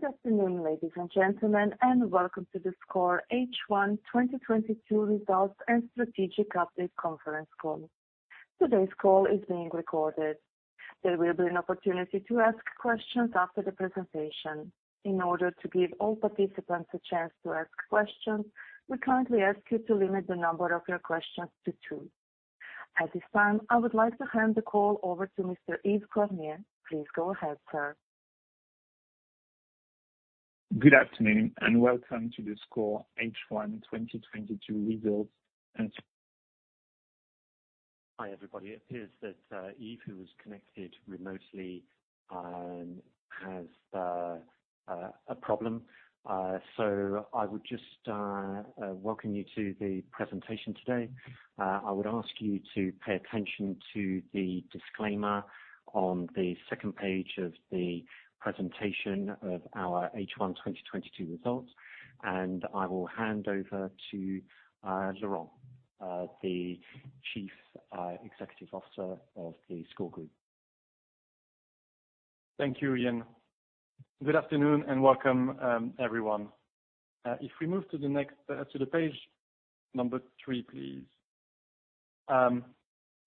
Good afternoon, ladies and gentlemen, and welcome to the SCOR H1 2022 Results and Strategic Update conference call. Today's call is being recorded. There will be an opportunity to ask questions after the presentation. In order to give all participants a chance to ask questions, we kindly ask you to limit the number of your questions to two. At this time, I would like to hand the call over to Mr. Yves Cormier. Please go ahead, sir. Good afternoon and welcome to the SCOR H1 2022 Results and- Hi, everybody. It appears that Yves, who was connected remotely, has a problem. I would just welcome you to the presentation today. I would ask you to pay attention to the disclaimer on the second page of the presentation of our H1 2022 results, and I will hand over to Laurent, the Chief Executive Officer of the SCOR Group. Thank you, Ian. Good afternoon and welcome, everyone. If we move to the page number 3, please.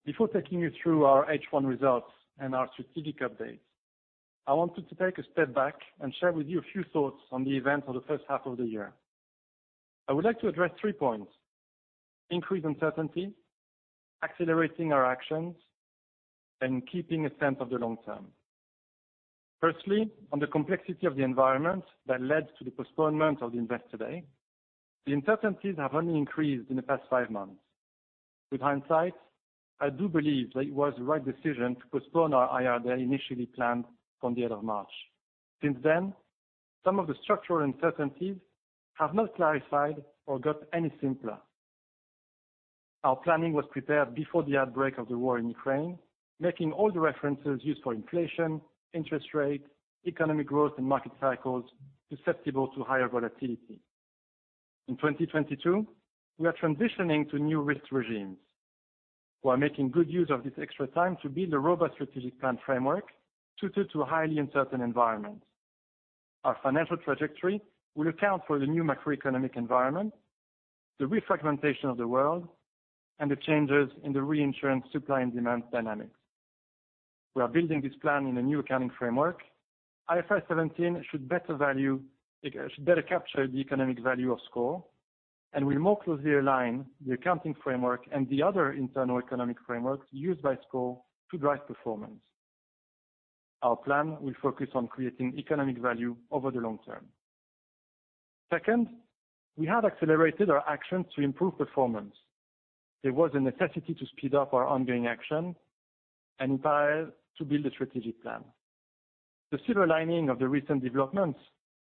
Before taking you through our H1 results and our strategic updates, I wanted to take a step back and share with you a few thoughts on the events of the first half of the year. I would like to address 3 points. Increased uncertainty, accelerating our actions, and keeping a sense of the long term. Firstly, on the complexity of the environment that led to the postponement of the Investor Day, the uncertainties have only increased in the past five months. With hindsight, I do believe that it was the right decision to postpone our IR Day initially planned on the end of March. Since then, some of the structural uncertainties have not clarified or got any simpler. Our planning was prepared before the outbreak of the war in Ukraine, making all the references used for inflation, interest rate, economic growth, and market cycles susceptible to higher volatility. In 2022, we are transitioning to new risk regimes. We are making good use of this extra time to build a robust strategic plan framework suited to a highly uncertain environment. Our financial trajectory will account for the new macroeconomic environment, the refragmentation of the world, and the changes in the reinsurance supply and demand dynamics. We are building this plan in a new accounting framework. IFRS 17 should better capture the economic value of SCOR and will more closely align the accounting framework and the other internal economic frameworks used by SCOR to drive performance. Our plan will focus on creating economic value over the long term. Second, we have accelerated our actions to improve performance. There was a necessity to speed up our ongoing action and empower to build a strategic plan. The silver lining of the recent developments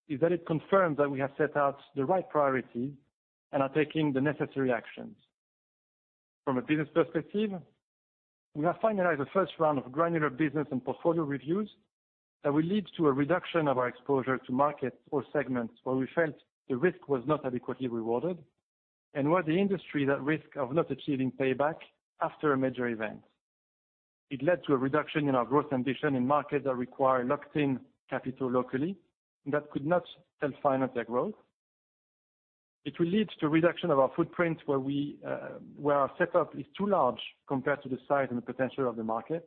is that it confirms that we have set out the right priority and are taking the necessary actions. From a business perspective, we have finalized the first round of granular business and portfolio reviews that will lead to a reduction of our exposure to markets or segments where we felt the risk was not adequately rewarded and where the industry is at risk of not achieving payback after a major event. It led to a reduction in our growth ambition in markets that require locked-in capital locally that could not self-finance their growth. It will lead to reduction of our footprint where our setup is too large compared to the size and the potential of the market,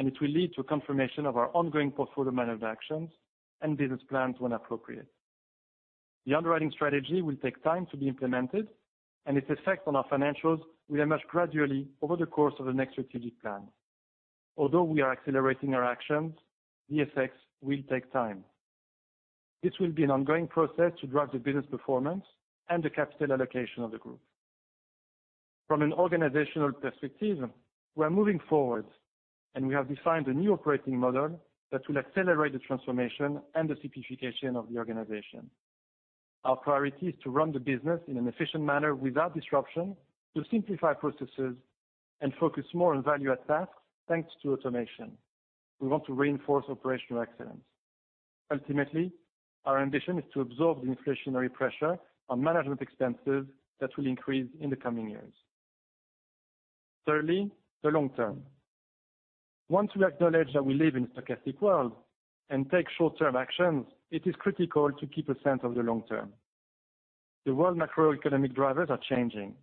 and it will lead to a confirmation of our ongoing portfolio management actions and business plans when appropriate. The underwriting strategy will take time to be implemented, and its effect on our financials will emerge gradually over the course of the next strategic plan. Although we are accelerating our actions, the effects will take time. This will be an ongoing process to drive the business performance and the capital allocation of the group. From an organizational perspective, we are moving forward, and we have defined a new operating model that will accelerate the transformation and the simplification of the organization. Our priority is to run the business in an efficient manner without disruption, to simplify processes and focus more on value add tasks, thanks to automation. We want to reinforce operational excellence. Ultimately, our ambition is to absorb the inflationary pressure on management expenses that will increase in the coming years. Thirdly, the long term. Once we acknowledge that we live in a stochastic world and take short-term actions, it is critical to keep a sense of the long term. The world macroeconomic drivers are changing,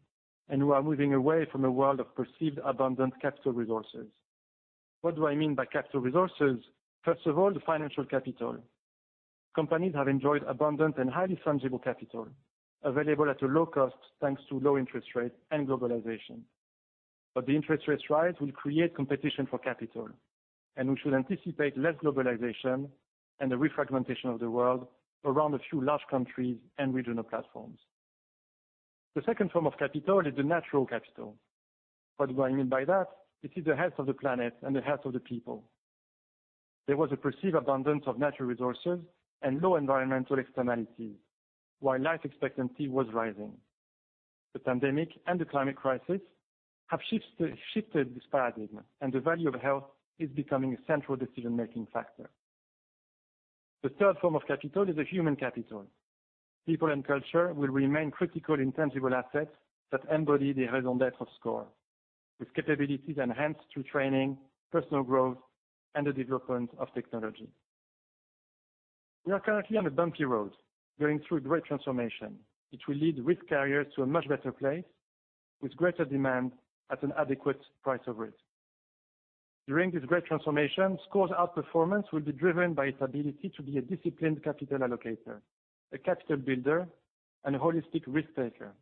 and we are moving away from a world of perceived abundant capital resources. What do I mean by capital resources? First of all, the financial capital. Companies have enjoyed abundant and highly fungible capital available at a low cost, thanks to low interest rates and globalization. The interest rates rise will create competition for capital, and we should anticipate less globalization and the refragmentation of the world around a few large countries and regional platforms. The second form of capital is the natural capital. What do I mean by that? It is the health of the planet and the health of the people. There was a perceived abundance of natural resources and low environmental externalities while life expectancy was rising. The pandemic and the climate crisis have shifted this paradigm, and the value of health is becoming a central decision-making factor. The third form of capital is the human capital. People and culture will remain critical, intangible assets that embody the raison d'être of SCOR, with capabilities enhanced through training, personal growth, and the development of technology. We are currently on a bumpy road going through great transformation, which will lead risk carriers to a much better place with greater demand at an adequate price of risk. During this great transformation, SCOR's outperformance will be driven by its ability to be a disciplined capital allocator, a capital builder, and a holistic risk taker.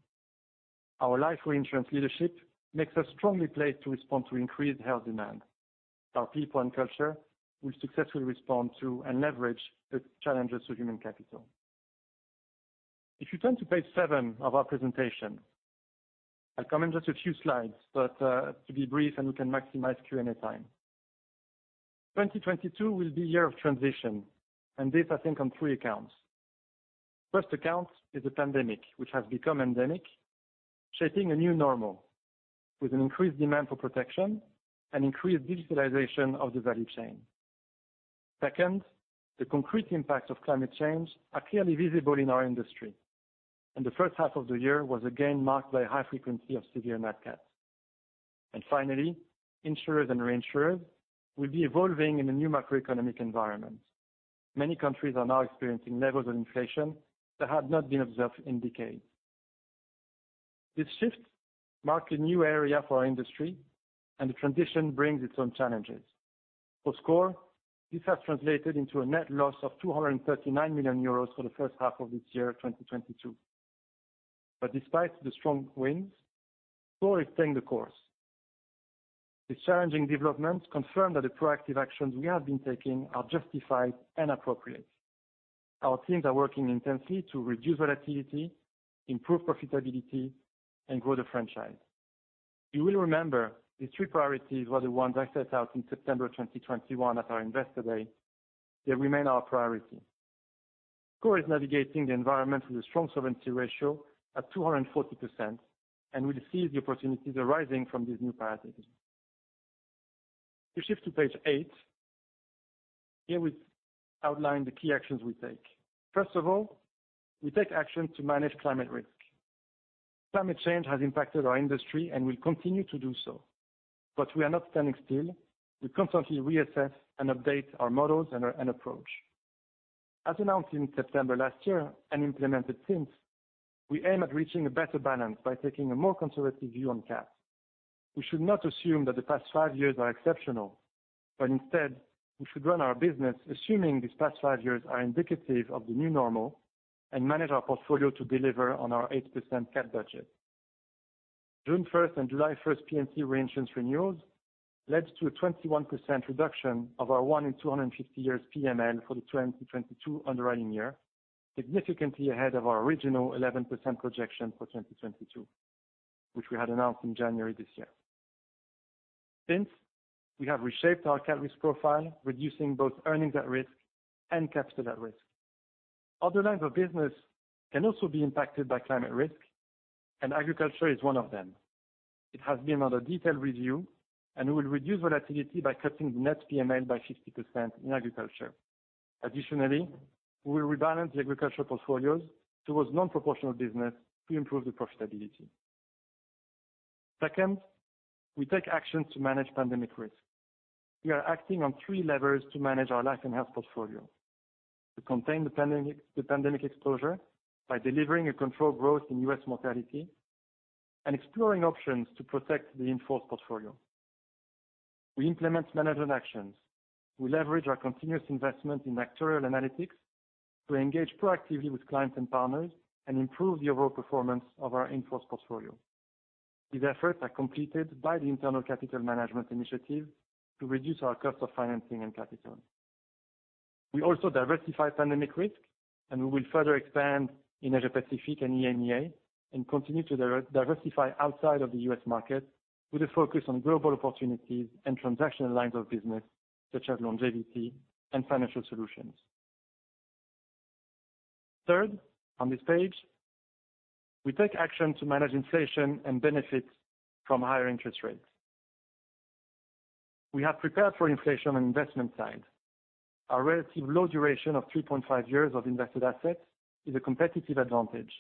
Our life reinsurance leadership makes us strongly placed to respond to increased health demand. Our people and culture will successfully respond to and leverage the challenges to human capital. If you turn to page 7 of our presentation, I'll come in just a few slides, but to be brief, and we can maximize Q&A time. 2022 will be a year of transition, and this I think on three accounts. First account is the pandemic, which has become endemic, shaping a new normal with an increased demand for protection and increased digitalization of the value chain. Second, the concrete impact of climate change are clearly visible in our industry, and the first half of the year was again marked by high frequency of severe Nat Cat. Finally, insurers and reinsurers will be evolving in a new macroeconomic environment. Many countries are now experiencing levels of inflation that had not been observed in decades. This shift marks a new era for our industry, and the transition brings its own challenges. For SCOR, this has translated into a net loss of 239 million euros for the first half of this year, 2022. Despite the strong winds, SCOR is staying the course. These challenging developments confirm that the proactive actions we have been taking are justified and appropriate. Our teams are working intensely to reduce volatility, improve profitability, and grow the franchise. You will remember these three priorities were the ones I set out in September 2021 at our Investor Day. They remain our priority. SCOR is navigating the environment with a strong solvency ratio at 240%, and we seize the opportunities arising from these new priorities. We shift to page 8. Here we outline the key actions we take. First of all, we take action to manage climate risk. Climate change has impacted our industry and will continue to do so. We are not standing still. We constantly reassess and update our models and our approach. As announced in September last year and implemented since, we aim at reaching a better balance by taking a more conservative view on cat. We should not assume that the past five years are exceptional, but instead we should run our business assuming these past five years are indicative of the new normal and manage our portfolio to deliver on our 8% cat budget. June 1st and July 1st P&C reinsurance renewals led to a 21% reduction of our 1-in-250-year PML for the 2022 underwriting year, significantly ahead of our original 11% projection for 2022, which we had announced in January this year. Since, we have reshaped our cat risk profile, reducing both earnings at risk and capital at risk. Other lines of business can also be impacted by climate risk, and agriculture is one of them. It has been under detailed review and will reduce volatility by cutting the net PML by 50% in agriculture. Additionally, we will rebalance the agriculture portfolios towards non-proportional business to improve the profitability. Second, we take action to manage pandemic risk. We are acting on three levers to manage our Life & Health portfolio. To contain the pandemic exposure by delivering a controlled growth in US mortality and exploring options to protect the in-force portfolio. We implement management actions. We leverage our continuous investment in actuarial analytics to engage proactively with clients and partners and improve the overall performance of our in-force portfolio. These efforts are completed by the internal capital management initiative to reduce our cost of financing and capital. We also diversify pandemic risk, and we will further expand in Asia Pacific and EMEA and continue to diversify outside of the U.S. market with a focus on global opportunities and transactional lines of business such as longevity and financial solutions. Third, on this page, we take action to manage inflation and benefit from higher interest rates. We have prepared for inflation on investment side. Our relative low duration of 3.5 years of invested assets is a competitive advantage,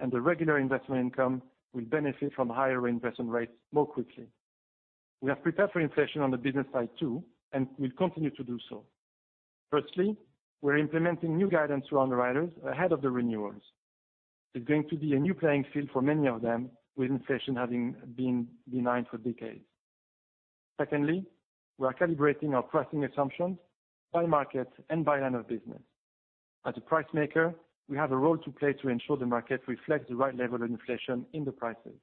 and the regular investment income will benefit from higher investment rates more quickly. We have prepared for inflation on the business side too, and we'll continue to do so. Firstly, we're implementing new guidance to underwriters ahead of the renewals. It's going to be a new playing field for many of them, with inflation having been benign for decades. Secondly, we are calibrating our pricing assumptions by market and by line of business. As a price maker, we have a role to play to ensure the market reflects the right level of inflation in the prices.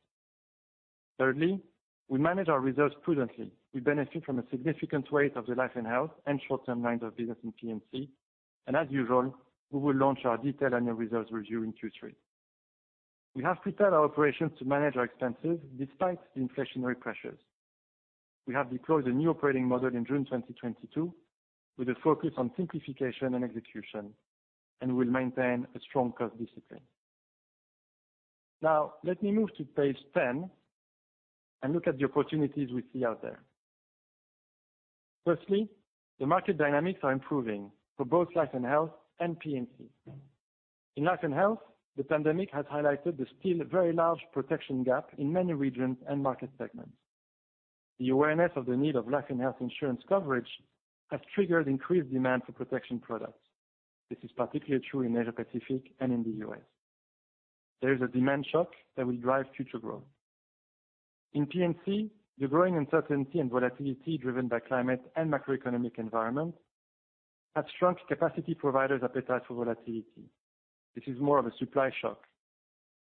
Thirdly, we manage our reserves prudently. We benefit from a significant weight of the Life & Health and short-term lines of business in P&C. As usual, we will launch our detailed annual reserves review in Q3. We have prepared our operations to manage our expenses despite the inflationary pressures. We have deployed a new operating model in June 2022 with a focus on simplification and execution, and we'll maintain a strong cost discipline. Now, let me move to page 10 and look at the opportunities we see out there. Firstly, the market dynamics are improving for both Life & Health and P&C. In Life & Health, the pandemic has highlighted the still very large protection gap in many regions and market segments. The awareness of the need of life and health insurance coverage has triggered increased demand for protection products. This is particularly true in Asia Pacific and in the U.S. There is a demand shock that will drive future growth. In P&C, the growing uncertainty and volatility driven by climate and macroeconomic environment has shrunk capacity providers' appetite for volatility. This is more of a supply shock,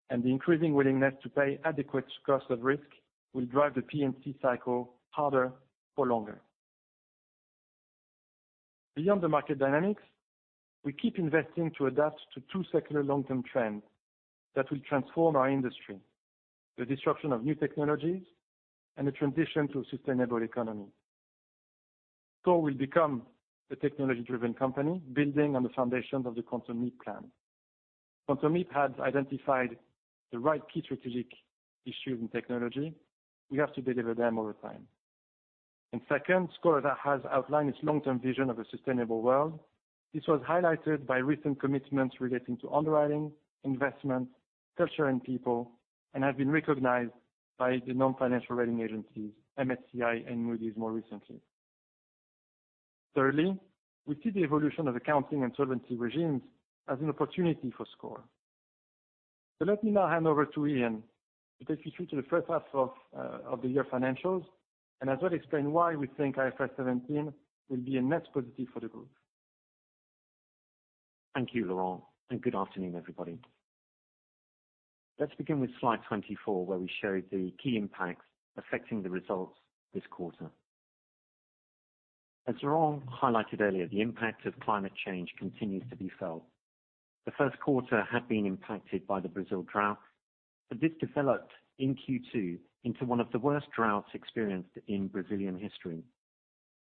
and the increasing willingness to pay adequate cost of risk will drive the P&C cycle harder for longer. Beyond the market dynamics, we keep investing to adapt to two secular long-term trends that will transform our industry, the disruption of new technologies and the transition to a sustainable economy. We'll become a technology-driven company building on the foundations of the Quantum Leap. Quantum Leap has identified the right key strategic issues in technology. We have to deliver them over time. Second, SCOR has outlined its long-term vision of a sustainable world. This was highlighted by recent commitments relating to underwriting, investment, culture, and people, and have been recognized by the non-financial rating agencies, MSCI and Moody's more recently. Thirdly, we see the evolution of accounting and solvency regimes as an opportunity for SCOR. Let me now hand over to Ian to take you through to the first half of the year financials and as well explain why we think IFRS 17 will be a net positive for the group. Thank you, Laurent, and good afternoon, everybody. Let's begin with slide 24, where we show the key impacts affecting the results this quarter. As Laurent highlighted earlier, the impact of climate change continues to be felt. The first quarter had been impacted by the Brazil drought, but this developed in Q2 into one of the worst droughts experienced in Brazilian history.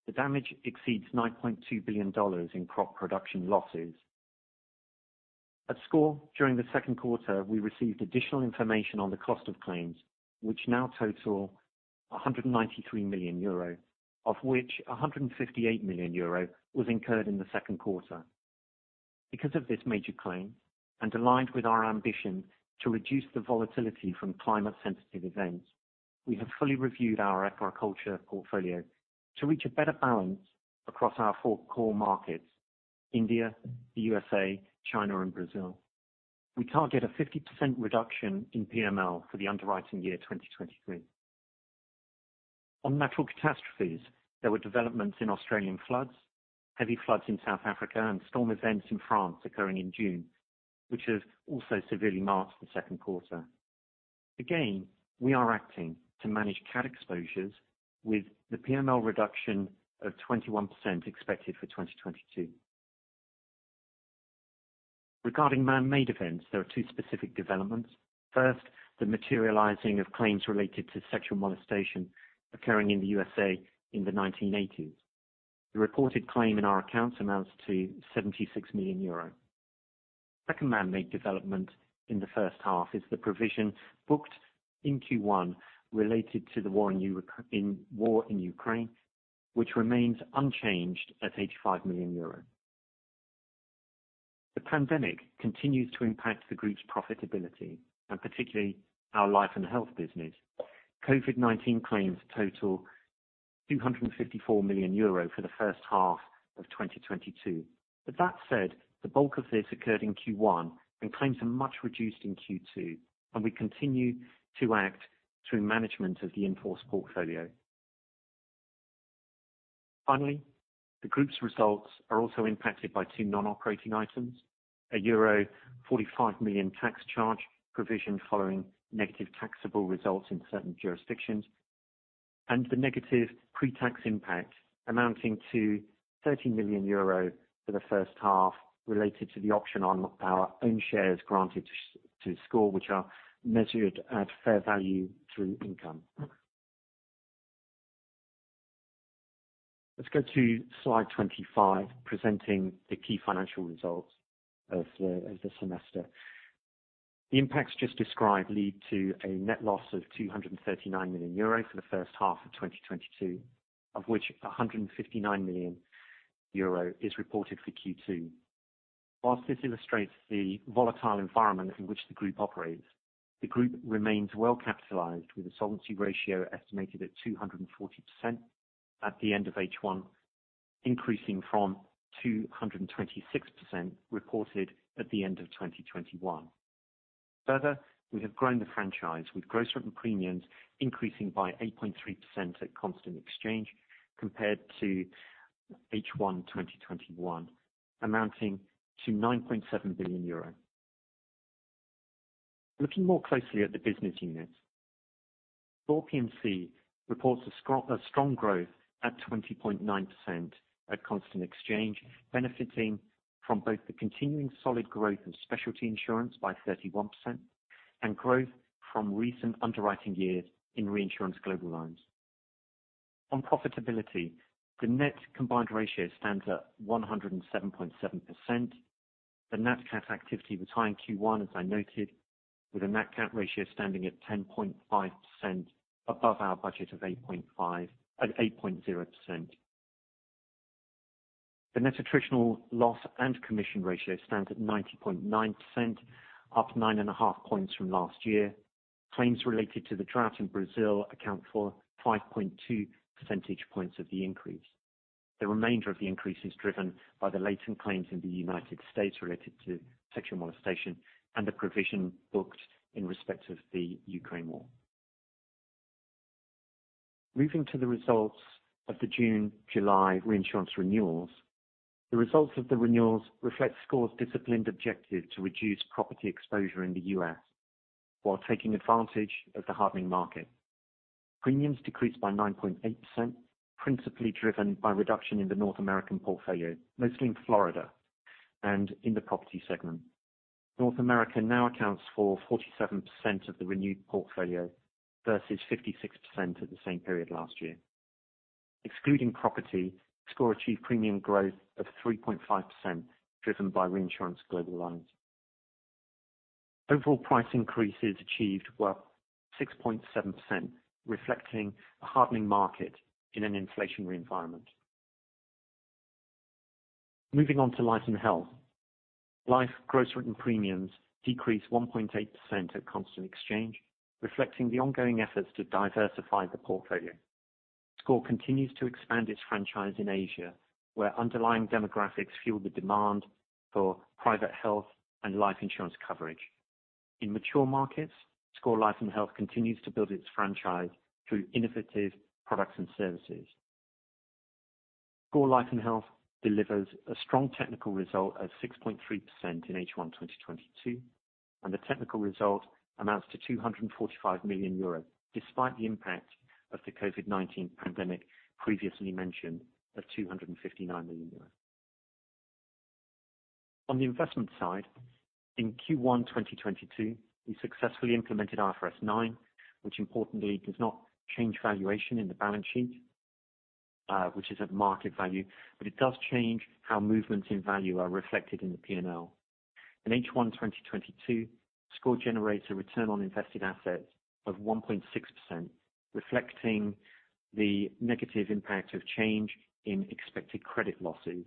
The damage exceeds $9.2 billion in crop production losses. At SCOR, during the second quarter, we received additional information on the cost of claims, which now total 193 million euro, of which 158 million euro was incurred in the second quarter. Because of this major claim, and aligned with our ambition to reduce the volatility from climate sensitive events, we have fully reviewed our agriculture portfolio to reach a better balance across our four core markets, India, the USA, China, and Brazil. We target a 50% reduction in PML for the underwriting year 2023. On natural catastrophes, there were developments in Australian floods, heavy floods in South Africa, and storm events in France occurring in June, which have also severely marked the second quarter. Again, we are acting to manage cat exposures with the PML reduction of 21% expected for 2022. Regarding man-made events, there are two specific developments. First, the materializing of claims related to sexual molestation occurring in the USA in the 1980s. The reported claim in our accounts amounts to 76 million euro. Second man-made development in the first half is the provision booked in Q1 related to the war in Ukraine, which remains unchanged at 85 million euros. The pandemic continues to impact the group's profitability, and particularly our Life & Health business. COVID-19 claims total 254 million euro for the first half of 2022. That said, the bulk of this occurred in Q1, and claims are much reduced in Q2, and we continue to act through management of the in-force portfolio. Finally, the group's results are also impacted by two non-operating items, a euro 45 million tax charge provision following negative taxable results in certain jurisdictions, and the negative pre-tax impact amounting to 30 million euro for the first half related to the option on our own shares granted to SCOR, which are measured at fair value through income. Let's go to slide 25, presenting the key financial results of the semester. The impacts just described lead to a net loss of 239 million euro for the first half of 2022, of which 159 million euro is reported for Q2. While this illustrates the volatile environment in which the group operates, the group remains well capitalized with a solvency ratio estimated at 240% at the end of H1, increasing from 226% reported at the end of 2021. Further, we have grown the franchise with gross written premiums increasing by 8.3% at constant exchange compared to H1 2021, amounting to 9.7 billion euro. Looking more closely at the business units, SCOR P&C reports a strong growth at 20.9% at constant exchange, benefiting from both the continuing solid growth of specialty insurance by 31% and growth from recent underwriting years in reinsurance global lines. On profitability, the net combined ratio stands at 107.7%. The Nat Cat activity was high in Q1, as I noted, with the Nat Cat ratio standing at 10.5% above our budget of 8.0%. The net attritional loss and commission ratio stands at 90.9%, up 9.5 points from last year. Claims related to the drought in Brazil account for 5.2 percentage points of the increase. The remainder of the increase is driven by the latent claims in the United States related to sexual molestation and the provision booked in respect of the Ukraine war. Moving to the results of the June-July reinsurance renewals. The results of the renewals reflect SCOR's disciplined objective to reduce property exposure in the U.S. while taking advantage of the hardening market. Premiums decreased by 9.8%, principally driven by reduction in the North American portfolio, mostly in Florida and in the property segment. North America now accounts for 47% of the renewed portfolio versus 56% at the same period last year. Excluding property, SCOR achieved premium growth of 3.5% driven by reinsurance global lines. Overall price increases achieved were 6.7%, reflecting a hardening market in an inflationary environment. Moving on to Life & Health. Life gross written premiums decreased 1.8% at constant exchange, reflecting the ongoing efforts to diversify the portfolio. SCOR continues to expand its franchise in Asia, where underlying demographics fuel the demand for private health and life insurance coverage. In mature markets, SCOR Life & Health continues to build its franchise through innovative products and services. SCOR Life & Health delivers a strong technical result of 6.3% in H1 2022, and the technical result amounts to 245 million euros, despite the impact of the COVID-19 pandemic previously mentioned of 259 million euros. On the investment side, in Q1 2022, we successfully implemented IFRS 9, which importantly does not change valuation in the balance sheet, which is at market value, but it does change how movements in value are reflected in the P&L. In H1 2022, SCOR generates a return on invested assets of 1.6%, reflecting the negative impact of change in expected credit losses,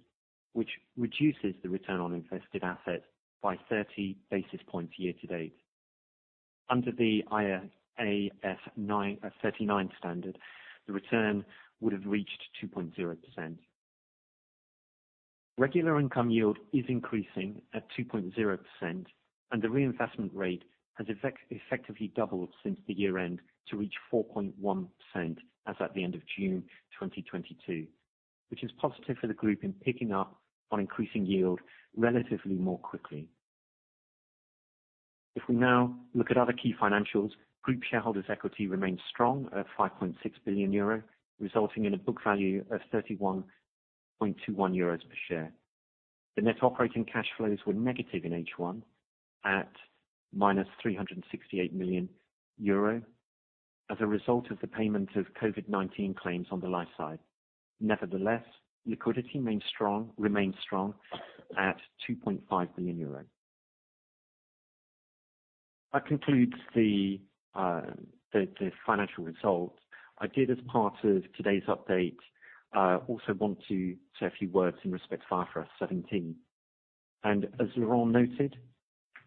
which reduces the return on invested assets by 30 basis points year to date. Under the IAS 39 standard, the return would have reached 2.0%. Regular income yield is increasing at 2.0%, and the reinvestment rate has effectively doubled since the year-end to reach 4.1% as at the end of June 2022, which is positive for the group in picking up on increasing yield relatively more quickly. If we now look at other key financials, group shareholders equity remains strong at 5.6 billion euro, resulting in a book value of 31.21 euros per share. The net operating cash flows were negative in H1 at -368 million euro as a result of the payment of COVID-19 claims on the life side. Nevertheless, liquidity remains strong at 2.5 billion euros. That concludes the financial results. I did, as part of today's update, also want to say a few words in respect to IFRS 17. As Laurent noted,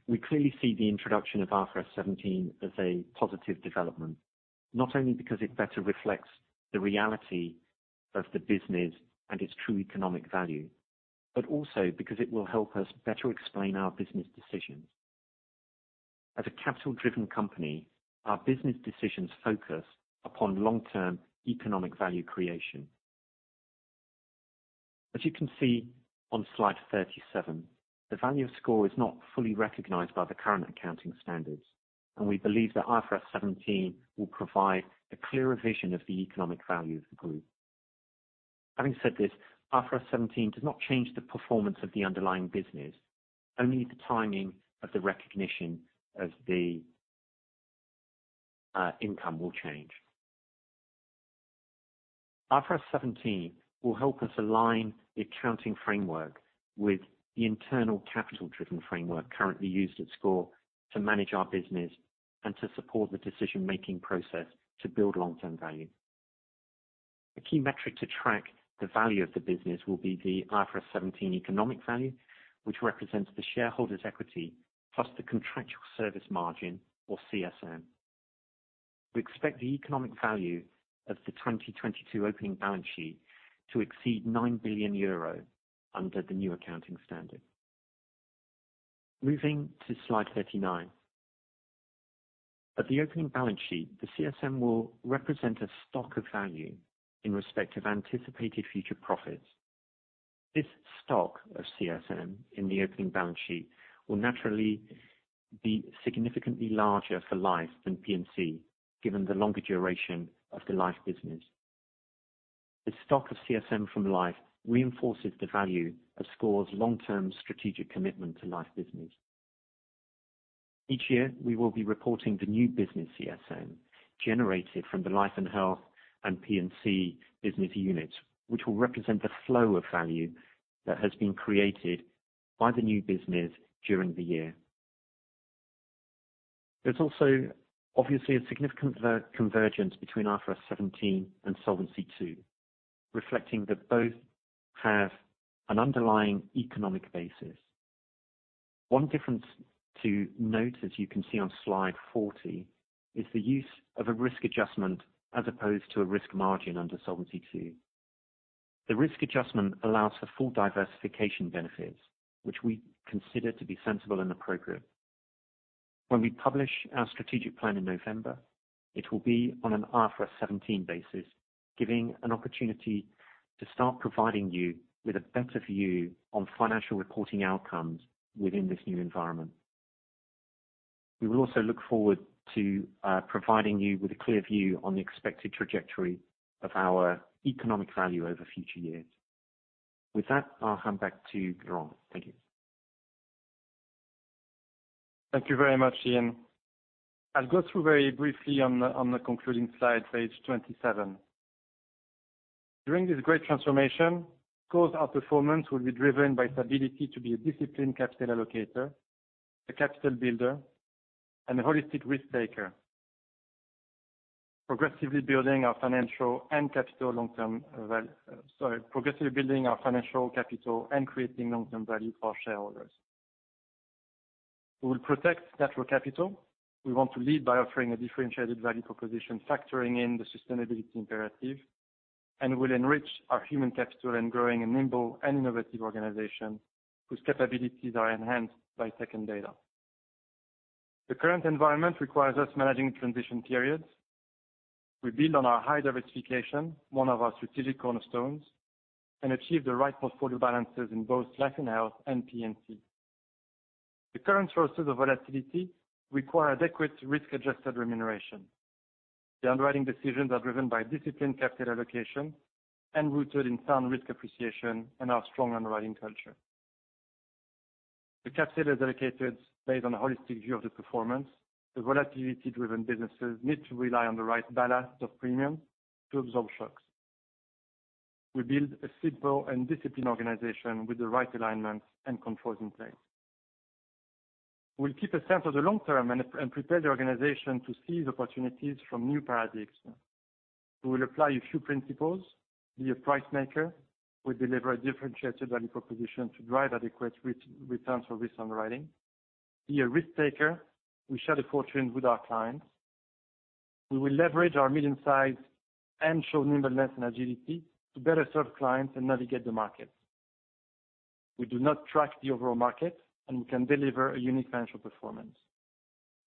we clearly see the introduction of IFRS 17 as a positive development, not only because it better reflects the reality of the business and its true economic value, but also because it will help us better explain our business decisions. As a capital-driven company, our business decisions focus upon long-term economic value creation. As you can see on slide 37, the value of SCOR is not fully recognized by the current accounting standards, and we believe that IFRS 17 will provide a clearer vision of the economic value of the group. Having said this, IFRS 17 does not change the performance of the underlying business, only the timing of the recognition of the income will change. IFRS 17 will help us align the accounting framework with the internal capital-driven framework currently used at SCOR to manage our business and to support the decision-making process to build long-term value. A key metric to track the value of the business will be the IFRS 17 economic value, which represents the shareholders' equity plus the contractual service margin or CSM. We expect the economic value of the 2022 opening balance sheet to exceed 9 billion euro under the new accounting standard. Moving to slide 39. At the opening balance sheet, the CSM will represent a stock of value in respect of anticipated future profits. This stock of CSM in the opening balance sheet will naturally be significantly larger for Life than P&C, given the longer duration of the Life business. The stock of CSM from Life reinforces the value of SCOR's long-term strategic commitment to Life business. Each year, we will be reporting the new business CSM generated from the Life & Health and P&C business units, which will represent the flow of value that has been created by the new business during the year. There's also obviously a significant convergence between IFRS 17 and Solvency II, reflecting that both have an underlying economic basis. One difference to note, as you can see on slide 40, is the use of a Risk Adjustment as opposed to a Risk Margin under Solvency II. The Risk Adjustment allows for full diversification benefits, which we consider to be sensible and appropriate. When we publish our strategic plan in November, it will be on an IFRS 17 basis, giving an opportunity to start providing you with a better view on financial reporting outcomes within this new environment. We will also look forward to providing you with a clear view on the expected trajectory of our economic value over future years. With that, I'll hand back to Laurent. Thank you. Thank you very much, Ian. I'll go through very briefly on the concluding slide, page 27. During this great transformation, core outperformance will be driven by stability to be a disciplined capital allocator, a capital builder, and a holistic risk taker. Sorry, progressively building our financial capital and creating long-term value for shareholders. We will protect capital. We want to lead by offering a differentiated value proposition factoring in the sustainability imperative, and will enrich our human capital and growing a nimble and innovative organization whose capabilities are enhanced by science and data. The current environment requires us managing transition periods. We build on our high diversification, one of our strategic cornerstones, and achieve the right portfolio balances in both Life & Health and P&C. The current sources of volatility require adequate risk-adjusted remuneration. The underwriting decisions are driven by disciplined capital allocation and rooted in sound risk appreciation and our strong underwriting culture. The capital is allocated based on a holistic view of the performance. The volatility-driven businesses need to rely on the right balance of premium to absorb shocks. We build a simple and disciplined organization with the right alignments and controls in place. We'll keep a sense of the long term and prepare the organization to seize opportunities from new paradigms. We will apply a few principles, be a price maker. We deliver a differentiated value proposition to drive adequate returns for risk underwriting. Be a risk taker. We share the fortune with our clients. We will leverage our medium size and show nimbleness and agility to better serve clients and navigate the market. We do not track the overall market, and we can deliver a unique financial performance.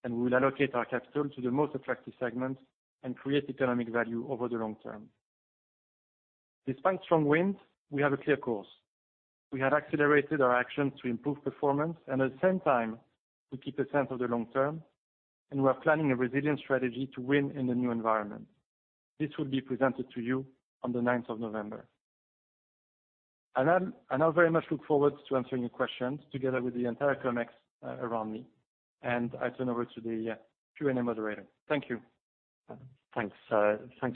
We will allocate our capital to the most attractive segments and create economic value over the long term. Despite strong winds, we have a clear course. We have accelerated our actions to improve performance and at the same time, we keep a sense of the long term, and we are planning a resilient strategy to win in the new environment. This will be presented to you on the 9th of November. I now very much look forward to answering your questions together with the entire Comex around me, and I turn over to the Q&A moderator. Thank you. Thanks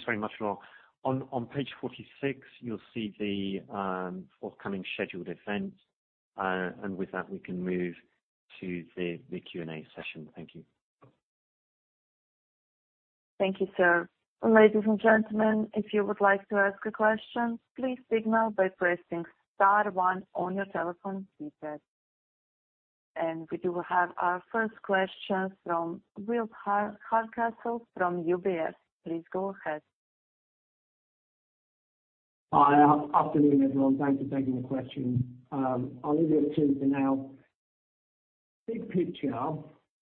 very much, Laurent. On page 46, you'll see the forthcoming scheduled events. With that, we can move to the Q&A session. Thank you. Thank you, sir. Ladies and gentlemen, if you would like to ask a question, please signal by pressing star one on your telephone keypad. We do have our first question from Will Hardcastle from UBS. Please go ahead. Hi, afternoon, everyone. Thanks for taking the question. I'll leave it to for now. Big picture,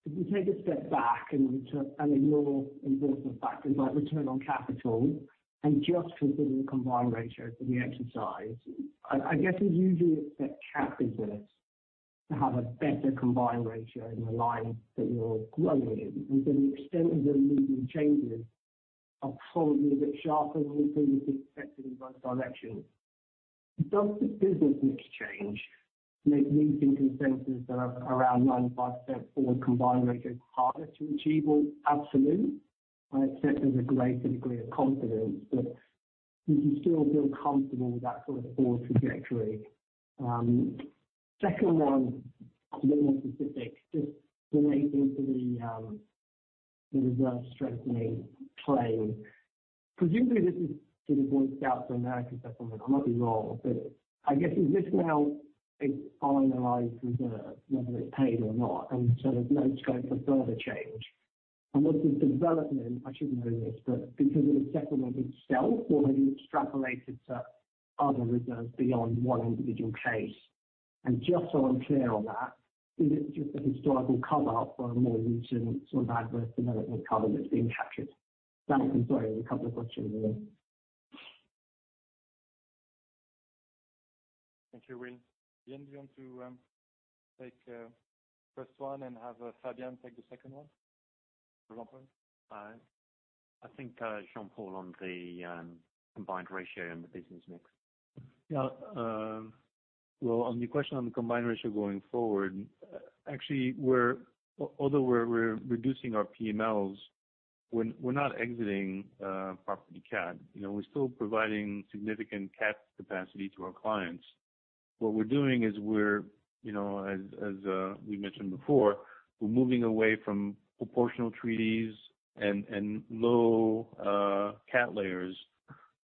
if we take a step back and ignore important factors like return on capital and just consider the combined ratio for the exercise, I guess we usually expect capital to have a better combined ratio in the line that you're growing in. To the extent of the recent changes are probably a bit sharper than we previously expected in both directions. Does the business mix change make recent consensus that are around 95% forward combined ratio harder to achieve or absolute? I accept there's a great degree of confidence, but do you still feel comfortable with that sort of forward trajectory? Second one, a bit more specific, just relating to the reserve strengthening claim. Presumably, this is to the Boy Scouts of America settlement. I might be wrong, but I guess is this now a finalized reserve, whether it's paid or not, and so there's no scope for further change? Was this development, I should know this, but because of the settlement itself or have you extrapolated to other reserves beyond one individual case? Just so I'm clear on that, is it just a historical cover or a more recent sort of adverse development cover that's being captured? Thank you. Sorry, a couple of questions there. Thank you, Will. Ian, do you want to take first one and have Fabian take the second one? I think, Jean-Paul on the combined ratio and the business mix. Yeah. Well, on the question on the combined ratio going forward, actually, although we're reducing our PMLs, we're not exiting property cat. You know, we're still providing significant cat capacity to our clients. What we're doing is, you know, as we mentioned before, we're moving away from proportional treaties and low cat layers.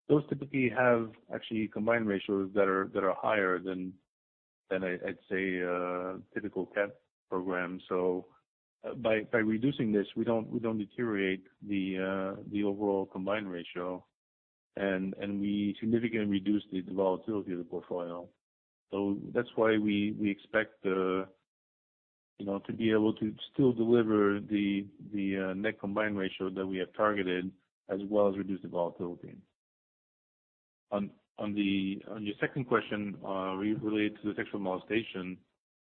Those typically have actually combined ratios that are higher than I'd say typical cat program. By reducing this, we don't deteriorate the overall combined ratio, and we significantly reduce the volatility of the portfolio. That's why we expect, you know, to be able to still deliver the net combined ratio that we have targeted, as well as reduce the volatility. On your second question, related to the sexual molestation,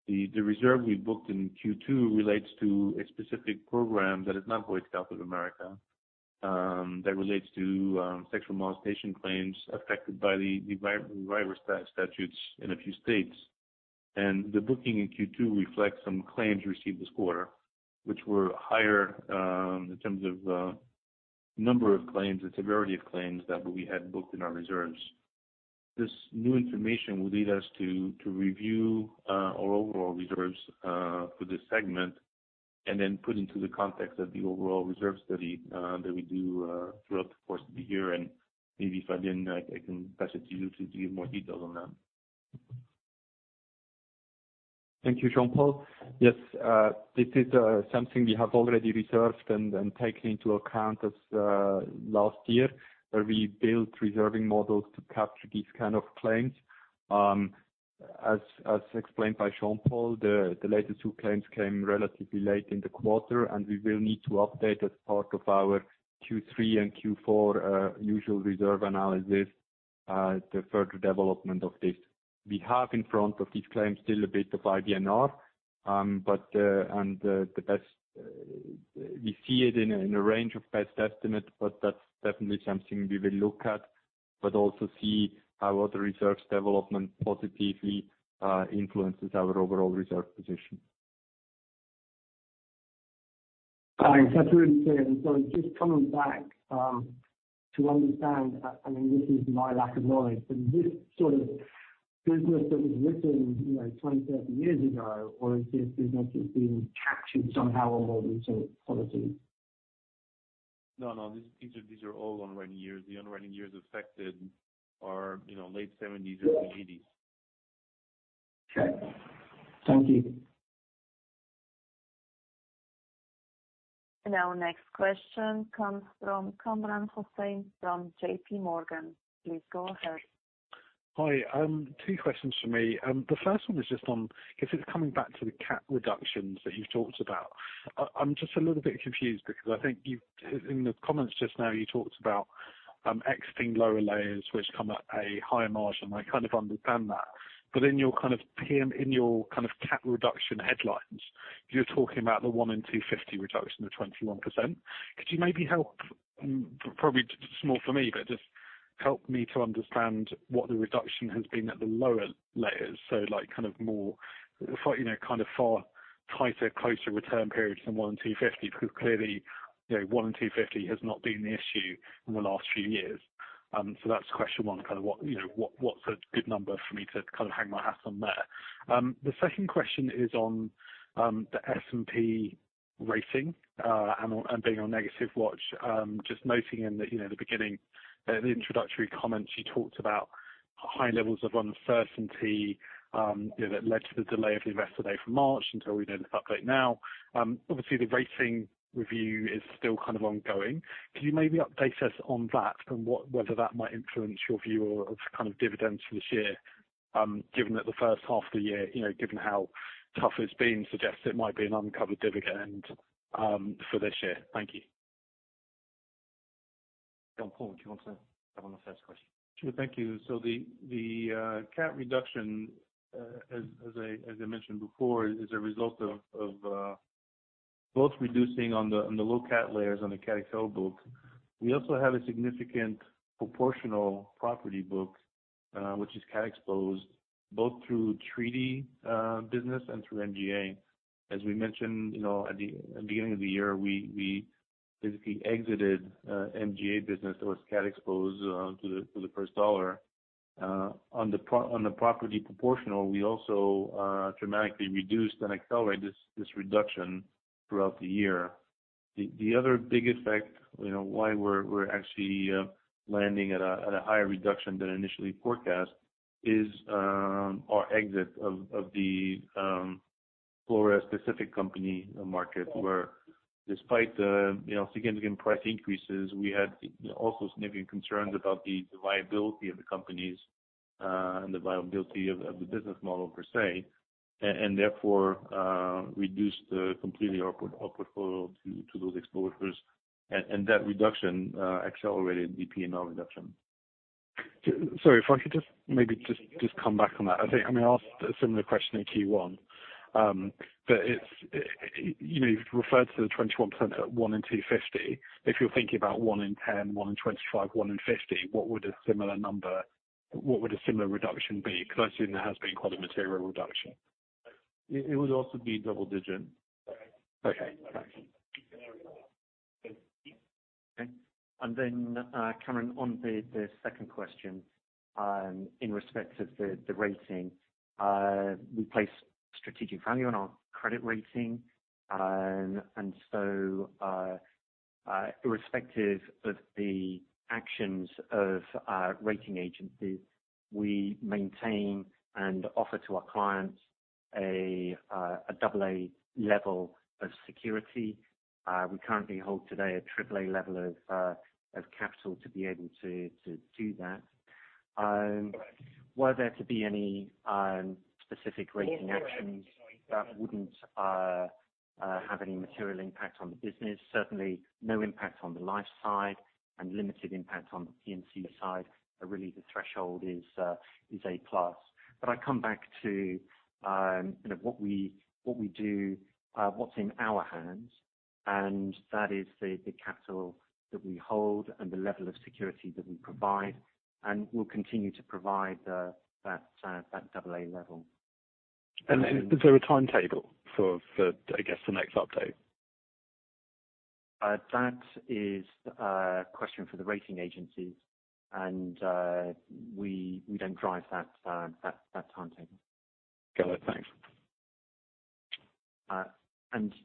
the reserve we booked in Q2 relates to a specific program that is not Boy Scouts of America, that relates to sexual molestation claims affected by the revival statutes in a few states. The booking in Q2 reflects some claims received this quarter, which were higher in terms of number of claims, the severity of claims that we had booked in our reserves. This new information will lead us to review our overall reserves for this segment and then put into the context of the overall reserve study that we do throughout the course of the year. Maybe, Fabian, I can pass it to you to give more details on that. Thank you, Jean-Paul. Yes, this is something we have already reserved and taken into account as last year, where we built reserving models to capture these kind of claims. As explained by Jean-Paul, the latest two claims came relatively late in the quarter, and we will need to update as part of our Q3 and Q4 usual reserve analysis the further development of this. We have in front of these claims still a bit of IBNR, but we see it in a range of best estimate, but that's definitely something we will look at, but also see how other reserves development positively influences our overall reserve position. Hi, just coming back, to understand, I mean, this is my lack of knowledge, but this sort of business that was written, you know, 20, 30 years ago, or is this business just being captured somehow on all these old policies? No, these are all underwriting years. The underwriting years affected are, you know, late 70s and 80s. Okay. Thank you. Our next question comes from Kamran Hossain from JPMorgan. Please go ahead. Hi. Two questions from me. The first one is just on, I guess it's coming back to the cat reductions that you've talked about. I'm just a little bit confused because I think you've in the comments just now, you talked about, exiting lower layers which come at a higher margin. I kind of understand that. In your kind of PML in your kind of cat reduction headlines, you're talking about the 1 in 250 reduction of 21%. Could you maybe help, probably small for me, but just help me to understand what the reduction has been at the lower layers. So like kind of more, you know, kind of far tighter, closer return periods than 1 in 250, because clearly, you know, 1 in 250 has not been the issue in the last few years. That's question one, kind of what's a good number for me to kind of hang my hat on there. The second question is on the S&P rating and being on negative watch. Just noting in the beginning, the introductory comments, you talked about high levels of uncertainty that led to the delay of the Investor Day from March until we did the update now. Obviously the rating review is still kind of ongoing. Could you maybe update us on that and whether that might influence your view of kind of dividends for this year, given that the first half of the year, given how tough it's been, suggests it might be an uncovered dividend for this year. Thank you. Jean-Paul, do you want to cover on the first question? Sure. Thank you. The cat reduction, as I mentioned before, is a result of both reducing on the low cat layers on the cat XL book. We also have a significant proportional property book, which is cat exposed both through treaty business and through MGA. As we mentioned, at the beginning of the year, we basically exited MGA business that was cat exposed to the first dollar. On the property proportional, we also dramatically reduced and accelerated this reduction throughout the year. The other big effect, you know, why we're actually landing at a higher reduction than initially forecast is our exit of the Florida-specific company market where despite the, you know, significant price increases, we had also significant concerns about the viability of the companies and the viability of the business model per se, and therefore reduced completely our portfolio to those exposures. That reduction accelerated the PML reduction. Sorry, if I could just come back on that. I think I may ask a similar question in Q1. You know, you've referred to the 21% at 1 and 250. If you're thinking about 1 and 10, 1 and 25, 1 and 50, what would a similar reduction be? 'Cause I've seen there has been quite a material reduction. It would also be double-digit. Okay. Thank you. On the second question, in respect of the rating, we place strategic value on our credit rating. Irrespective of the actions of our rating agencies, we maintain and offer to our clients a AA level of security. We currently hold today a AAA level of capital to be able to do that. Were there to be any specific rating actions that wouldn't have any material impact on the business. Certainly no impact on the life side and limited impact on the P&C side. Really the threshold is A+. I come back to, you know, what we do, what's in our hands, and that is the capital that we hold and the level of security that we provide, and we'll continue to provide that AA level. Is there a timetable for, I guess, the next update? That is a question for the rating agencies, and we don't drive that timetable.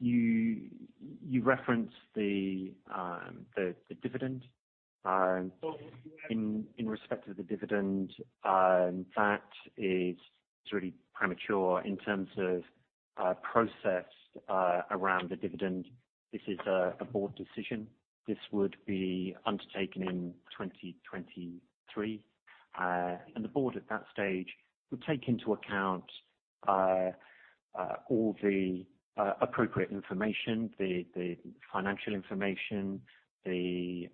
Got it. Thanks. You referenced the dividend. In respect to the dividend, that is really premature in terms of process around the dividend. This is a board decision. This would be undertaken in 2023. The board at that stage would take into account all the appropriate information, the financial information, the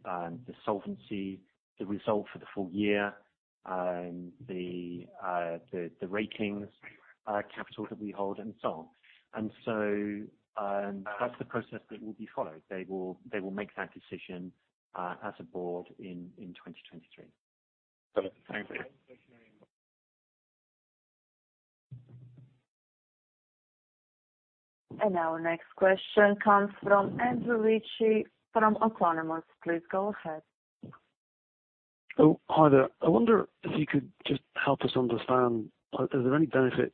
solvency, the result for the full year, the ratings, capital that we hold and so on. That's the process that will be followed. They will make that decision as a board in 2023. Got it. Thank you. Our next question comes from Andrew Ritchie from Autonomous. Please go ahead. Oh, hi there. I wonder if you could just help us understand, are there any benefit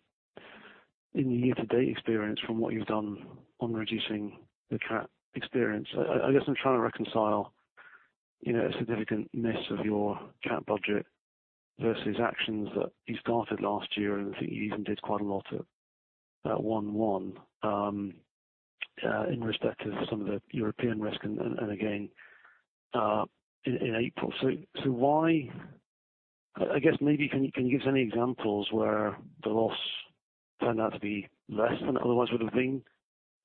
in year-to-date experience from what you've done on reducing the cat experience? I guess I'm trying to reconcile, you know, a significant miss of your cat budget versus actions that you started last year, and I think you even did quite a lot at 1/1 in respect to some of the European risk and again in April. Why I guess maybe can you give us any examples where the loss turned out to be less than it otherwise would have been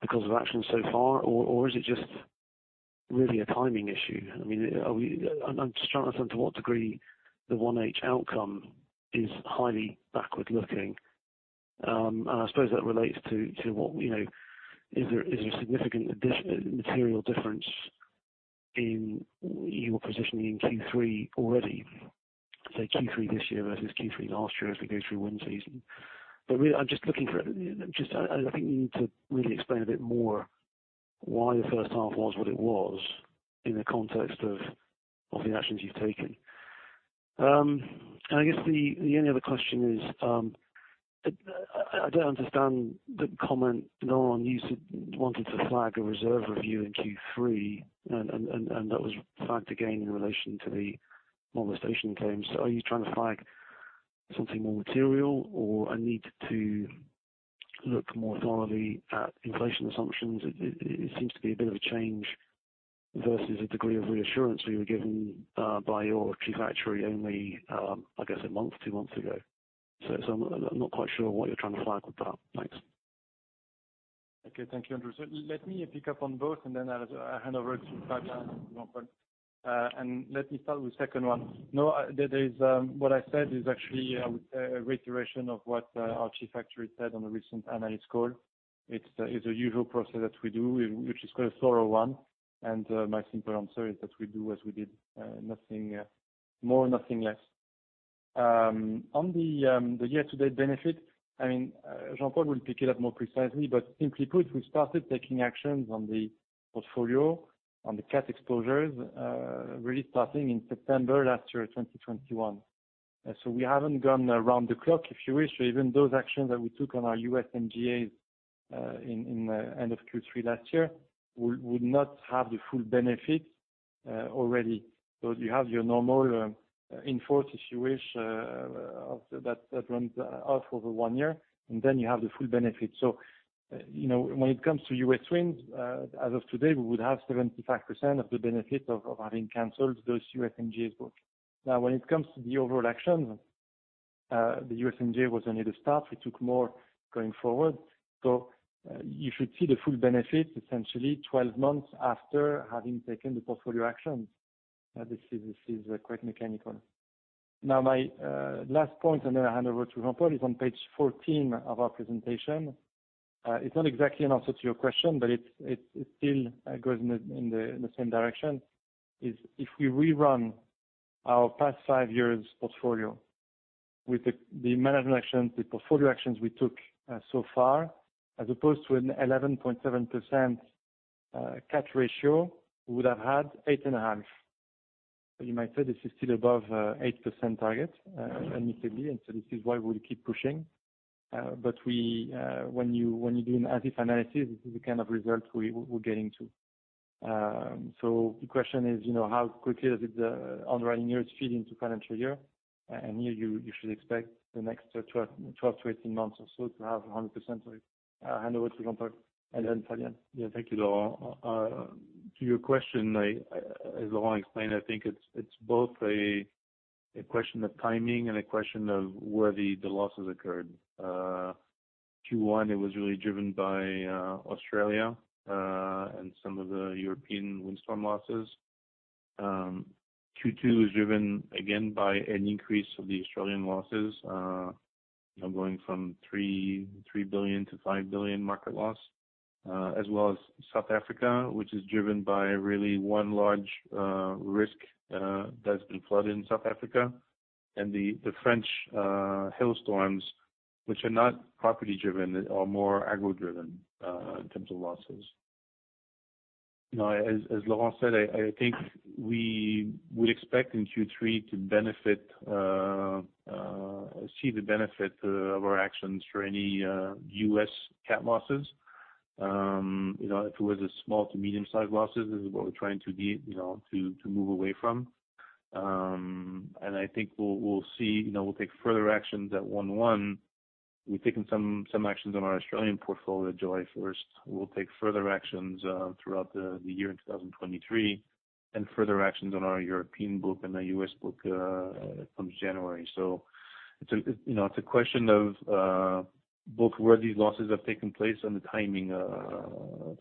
because of actions so far? Or is it just really a timing issue? I mean, are we? I'm just trying to understand to what degree the 1H outcome is highly backward looking. I suppose that relates to what, you know, is there significant material difference in your positioning in Q3 already? Say Q3 this year versus Q3 last year as we go through wind season. Really, I'm just looking for. Just, I think you need to really explain a bit more why your first half was what it was in the context of the actions you've taken. I guess the only other question is, I don't understand the comment, nor the one you said wanted to flag a reserve review in Q3, and that was flagged again in relation to the molestation claims. Are you trying to flag something more material or a need to look more thoroughly at inflation assumptions? It seems to be a bit of a change versus a degree of reassurance we were given by your chief actuary only, I guess, a month, two months ago. I'm not quite sure what you're trying to flag with that. Thanks. Okay. Thank you, Andrew. Let me pick up on both and then I'll hand over to Jean-Paul. Let me start with second one. No, there is, what I said is actually a reiteration of what our chief actuary said on a recent analyst call. It's a usual process that we do, which is quite a thorough one. My simple answer is that we do as we did, nothing more, nothing less. On the year-to-date benefit, I mean, Jean-Paul will pick it up more precisely, but simply put, we started taking actions on the portfolio, on the cat exposures, really starting in September last year, 2021. We haven't gone around the clock, if you wish. Even those actions that we took on our U.S. MGAs in end of Q3 last year would not have the full benefit already. You have your normal in force, if you wish, of that runs over one year, and then you have the full benefit. You know, when it comes to U.S. winds, as of today, we would have 75% of the benefit of having canceled those U.S. MGAs book. Now, when it comes to the overall actions. The U.S. MGA was only the start. We took more going forward. You should see the full benefit essentially 12 months after having taken the portfolio action. This is quite mechanical. Now, my last point, and then I hand over to Jean-Paul, is on page 14 of our presentation. It's not exactly an answer to your question, but it still goes in the same direction, is if we rerun our past five years portfolio with the management actions, the portfolio actions we took so far, as opposed to an 11.7% cat ratio, we would have had 8.5%. You might say this is still above 8% target, admittedly, and so this is why we'll keep pushing. But we, when you do an as if analysis, this is the kind of results we're getting to. So the question is, you know, how quickly does the underwriting years feed into financial year? Here you should expect the next 12-18 months or so to have 100% of it. I hand over to Jean-Paul and then Fabian. Yeah. Thank you, Laurent. To your question, as Laurent explained, I think it's both a question of timing and a question of where the losses occurred. Q1, it was really driven by Australia and some of the European windstorm losses. Q2 is driven again by an increase of the Australian losses, now going from 3 billion to 5 billion market loss, as well as South Africa, which is driven by really one large risk that's been flooded in South Africa. The French hailstorms, which are not property driven are more agro-driven in terms of losses. Now, as Laurent said, I think we would expect in Q3 to see the benefit of our actions for any U.S. cat losses. You know, if it was small to medium-sized losses, this is what we're trying to move away from. I think we'll see. You know, we'll take further actions at 1/1. We've taken some actions on our Australian portfolio July 1st. We'll take further actions throughout the year in 2023, and further actions on our European book and the U.S. book come January. It's a question of both where these losses have taken place and the timing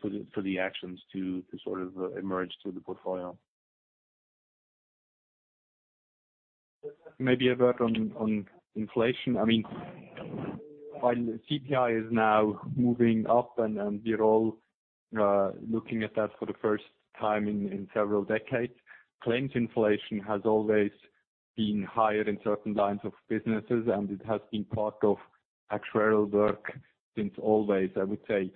for the actions to sort of emerge through the portfolio. Maybe a word on inflation. I mean, while the CPI is now moving up and we're all looking at that for the first time in several decades, claims inflation has always been higher in certain lines of businesses, and it has been part of actuarial work since always, I would say.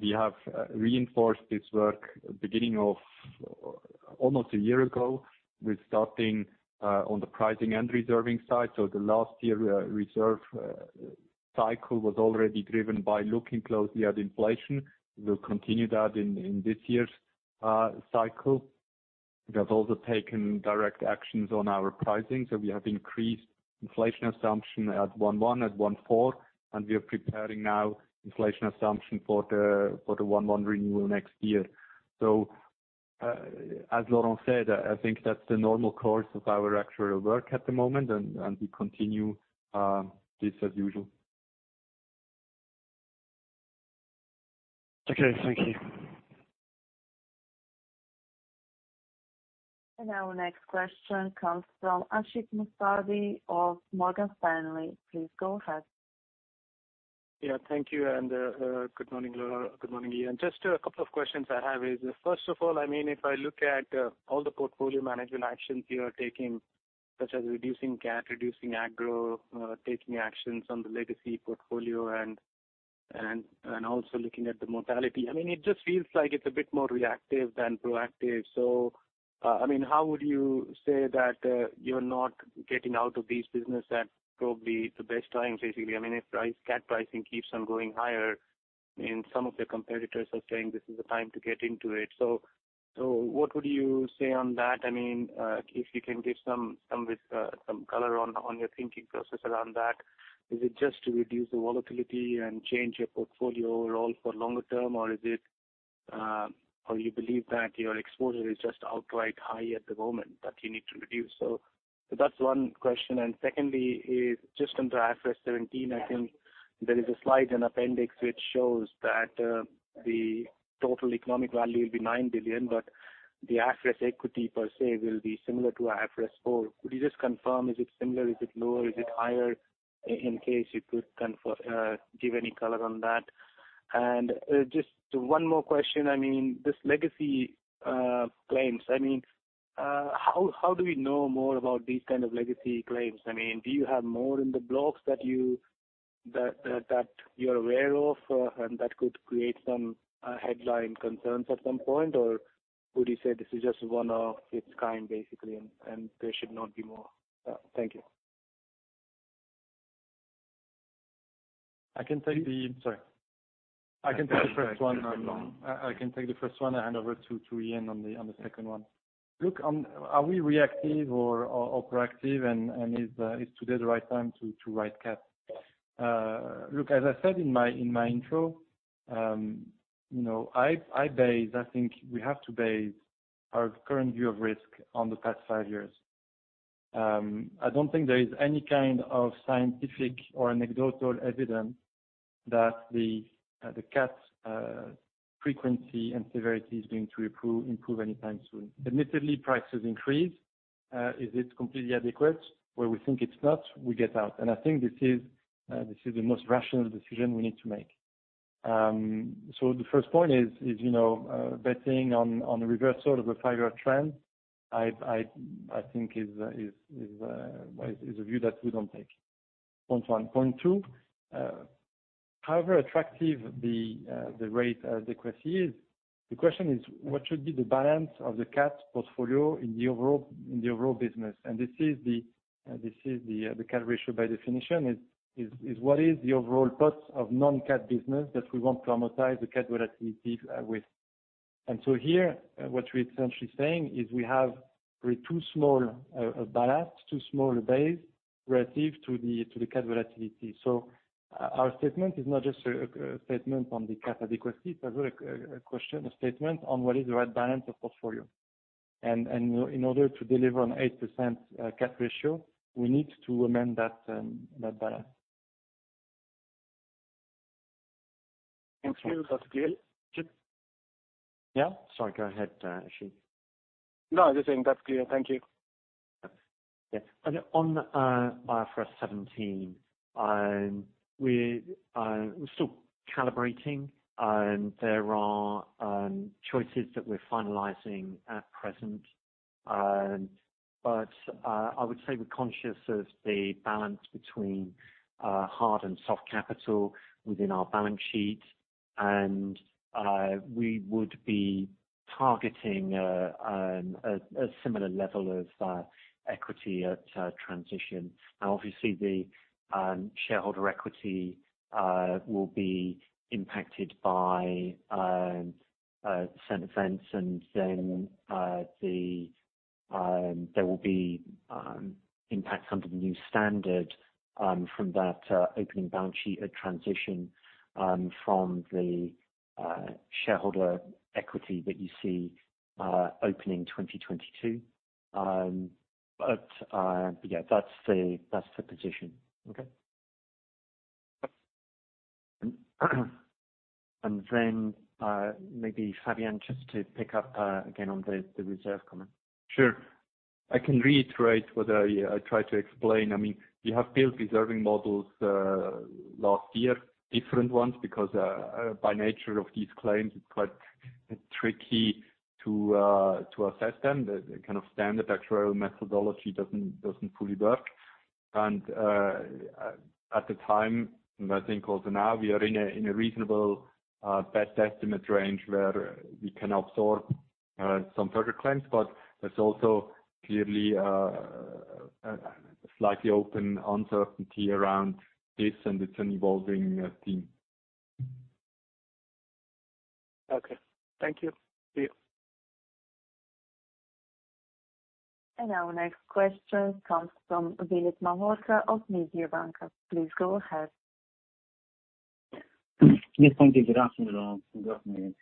We have reinforced this work beginning of almost a year ago with starting on the pricing and reserving side. The last year reserve cycle was already driven by looking closely at inflation. We'll continue that in this year's cycle. We have also taken direct actions on our pricing. We have increased inflation assumption at 1/1, at 1/4, and we are preparing now inflation assumption for the 1/1 renewal next year. As Laurent said, I think that's the normal course of our actuarial work at the moment and we continue this as usual. Okay, thank you. Our next question comes from Ashik Musaddi of Morgan Stanley. Please go ahead. Yeah, thank you. Good morning, Laurent. Good morning, Ian. Just a couple of questions I have is, first of all, I mean, if I look at all the portfolio management actions you are taking, such as reducing cat, reducing agro, taking actions on the legacy portfolio and also looking at the mortality, I mean, it just feels like it's a bit more reactive than proactive. I mean, how would you say that you're not getting out of these businesses at probably the best time, basically? I mean, if cat pricing keeps on going higher and some of your competitors are saying this is the time to get into it. What would you say on that? I mean, if you can give some color on your thinking process around that. Is it just to reduce the volatility and change your portfolio role for longer term or is it, or you believe that your exposure is just outright high at the moment that you need to reduce? That's one question. Secondly, just under IFRS 17, I think there is a slide in appendix which shows that, the total economic value will be 9 billion, but the IFRS equity per se will be similar to IFRS 4. Could you just confirm, is it similar, is it lower, is it higher? In case you could give any color on that. Just one more question. I mean, this legacy claims, I mean, how do we know more about these kind of legacy claims? I mean, do you have more in the blocks that you're aware of, and that could create some headline concerns at some point? Or would you say this is just one of its kind, basically, and there should not be more? Thank you. I can take the first one. I hand over to Ian on the second one. Look, on are we reactive or proactive and is today the right time to write cat? Look, as I said in my intro, you know, I think we have to base our current view of risk on the past five years. I don't think there is any kind of scientific or anecdotal evidence that the cat frequency and severity is going to improve anytime soon. Admittedly, prices increase. Is it completely adequate? Where we think it's not, we get out. I think this is the most rational decision we need to make. So the first point is, you know, betting on the reverse sort of a five-year trend, I think is a view that we don't take. Point one. Point two, however attractive the rate adequacy is, the question is what should be the balance of the cat portfolio in the overall business? This is the cat ratio by definition, is what is the overall cost of non-Cat business that we won't traumatize the cat volatility with. So here, what we're essentially saying is we have too small a ballast, too small a base relative to the cat volatility. So our statement is not just a statement on the cat adequacy. It's also a question, a statement on what is the right balance of portfolio. In order to deliver an 8% cat ratio, we need to amend that balance. Thank you. That's clear. Yeah. Sorry, go ahead, Ashish. No, I'm just saying that's clear. Thank you. Yeah. On IFRS 17, we're still calibrating. There are choices that we're finalizing at present. I would say we're conscious of the balance between hard and soft capital within our balance sheet, and we would be targeting a similar level of equity at transition. Now, obviously, the shareholder equity will be impacted by certain events, and then there will be impact under the new standard from that opening balance sheet at transition from the shareholder equity that you see opening 2022. Yeah, that's the position. Okay. Maybe Fabian, just to pick up again on the reserve comment. Sure. I can reiterate what I tried to explain. I mean, we have built reserving models last year, different ones, because by nature of these claims, it's quite tricky to assess them. The kind of standard actuarial methodology doesn't fully work. At the time, and I think also now, we are in a reasonable best estimate range where we can absorb some further claims. But there's also clearly a slightly open uncertainty around this, and it's an evolving theme. Okay. Thank you. Our next question comes from Vinit Malhotra of Mediobanca. Please go ahead. Yes, thank you. Good afternoon, Laurent. Good afternoon.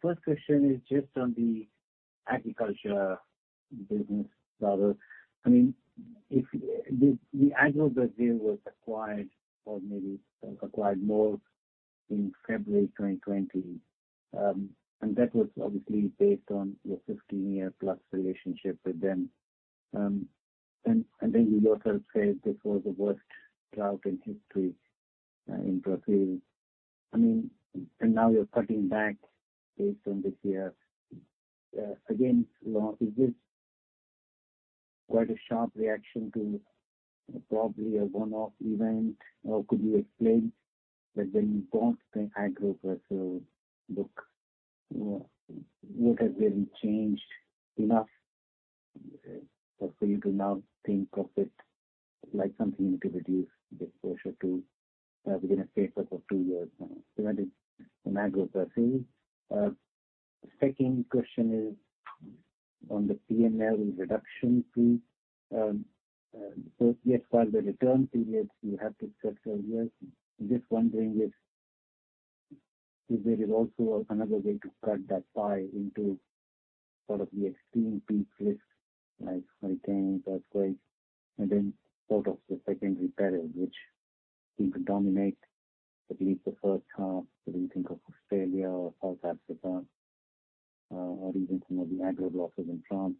First question is just on the agriculture business model. I mean, if the AgroBrasil was acquired or maybe acquired more in February 2020, and that was obviously based on your 15-year-plus relationship with them. And then you also said this was the worst drought in history in Brazil. I mean, and now you're cutting back based on this year. Again, Laurent, is this quite a sharp reaction to probably a one-off event? Or could you explain that when you bought the AgroBrasil, look, you know, what has really changed enough for you to now think of it like something you need to reduce the exposure to within a space of two years now? That is in AgroBrasil. Second question is on the P&L reduction fee. Yes, while the return periods, you have to accept over years. Just wondering if there is also another way to cut that pie into sort of the extreme peak risks, like hurricane, earthquake, and then sort of the secondary perils which seem to dominate at least the first half, whether you think of Australia or South Africa, or even some of the agro losses in France.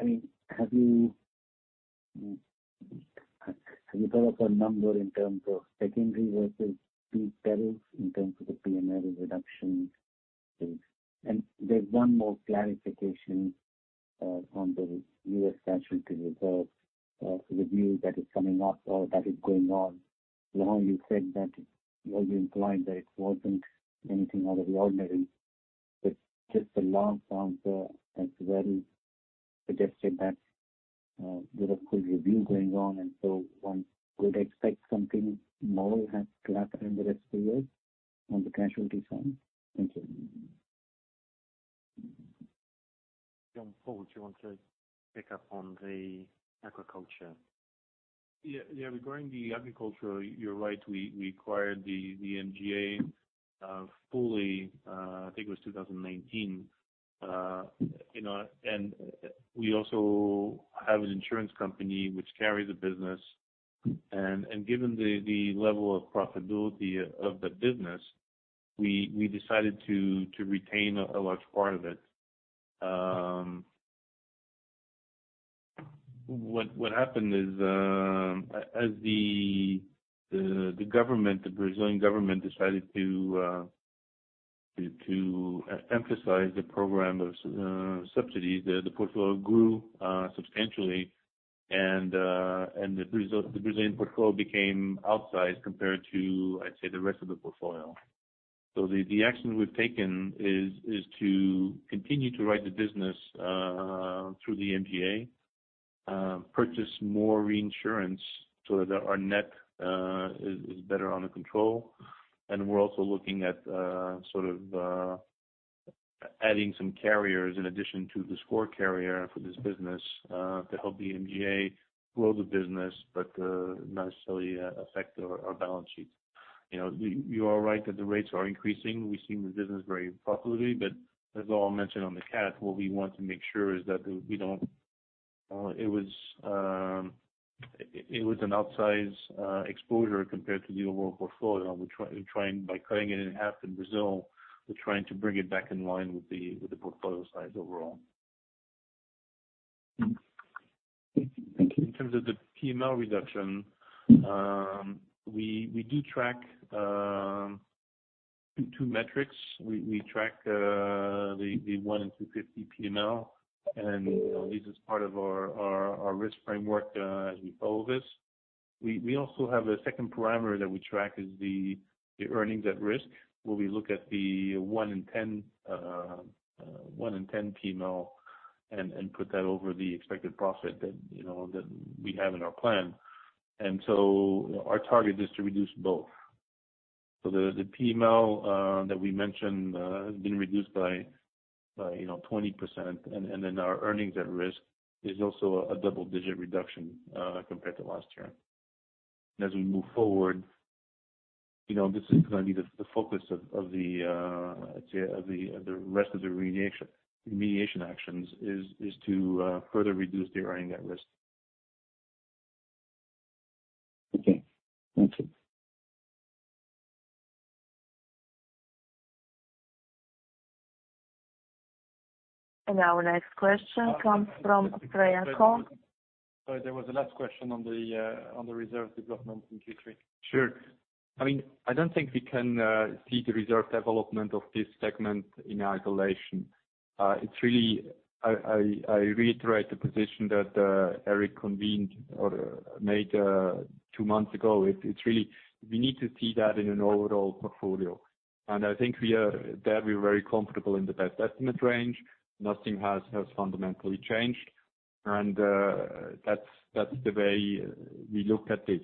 I mean, have you thought of a number in terms of secondary versus peak perils in terms of the P&L reduction fees? There's one more clarification, on the U.S. casualty reserve, review that is coming up or that is going on. Laurent, you said that, or you implied that it wasn't anything out of the ordinary, but just the last answer has very suggested that there is full review going on, and so one could expect something more has to happen in the next few years on the casualty front. Thank you. Jean-Paul, do you want to pick up on the agriculture? Yeah. Yeah. Regarding the agriculture, you're right. We acquired the MGA fully. I think it was 2019. You know, we also have an insurance company which carries the business. Given the level of profitability of the business, we decided to retain a large part of it. What happened is, as the Brazilian government decided to emphasize the program of subsidies, the portfolio grew substantially, and the result, the Brazilian portfolio became outsized compared to, I'd say, the rest of the portfolio. The action we've taken is to continue to write the business through the MGA, purchase more reinsurance so that our net is better under control. We're also looking at sort of adding some carriers in addition to this core carrier for this business to help the MGA grow the business, but not necessarily affect our balance sheets. You know, you are right that the rates are increasing. We've seen the business very profitably, but as I mentioned on the cat, it was an outsized exposure compared to the overall portfolio. We're trying by cutting it in half in Brazil to bring it back in line with the portfolio size overall. Thank you. In terms of the PML reduction, we do track two metrics. We track the 1 in 250 PML, and this is part of our risk framework as we follow this. We also have a second parameter that we track is the earnings at risk, where we look at the 1 in 10 PML and put that over the expected profit that, you know, that we have in our plan. Our target is to reduce both. The PML that we mentioned has been reduced by, you know, 20%. Our earnings at risk is also a double-digit reduction compared to last year. As we move forward, you know, this is going to be the focus of, I'd say, the rest of the remediation actions is to further reduce the earnings at risk. Okay, thank you. Our next question comes from Freya Kong. Sorry, there was a last question on the reserve development in Q3. Sure. I mean, I don't think we can see the reserve development of this segment in isolation. It's really I reiterate the position that Eric conveyed or made two months ago. It's really we need to see that in an overall portfolio. I think that we're very comfortable in the best estimate range. Nothing has fundamentally changed. That's the way we look at this.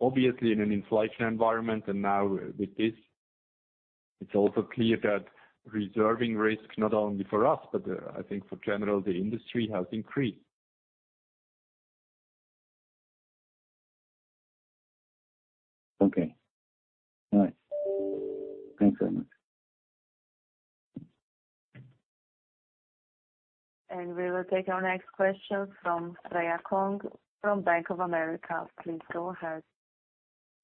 Obviously, in an inflation environment, and now with this, it's also clear that reserving risk, not only for us, but I think in general, the industry has increased. Okay. All right. Thanks very much. We will take our next question from Freya Kong from Bank of America. Please go ahead.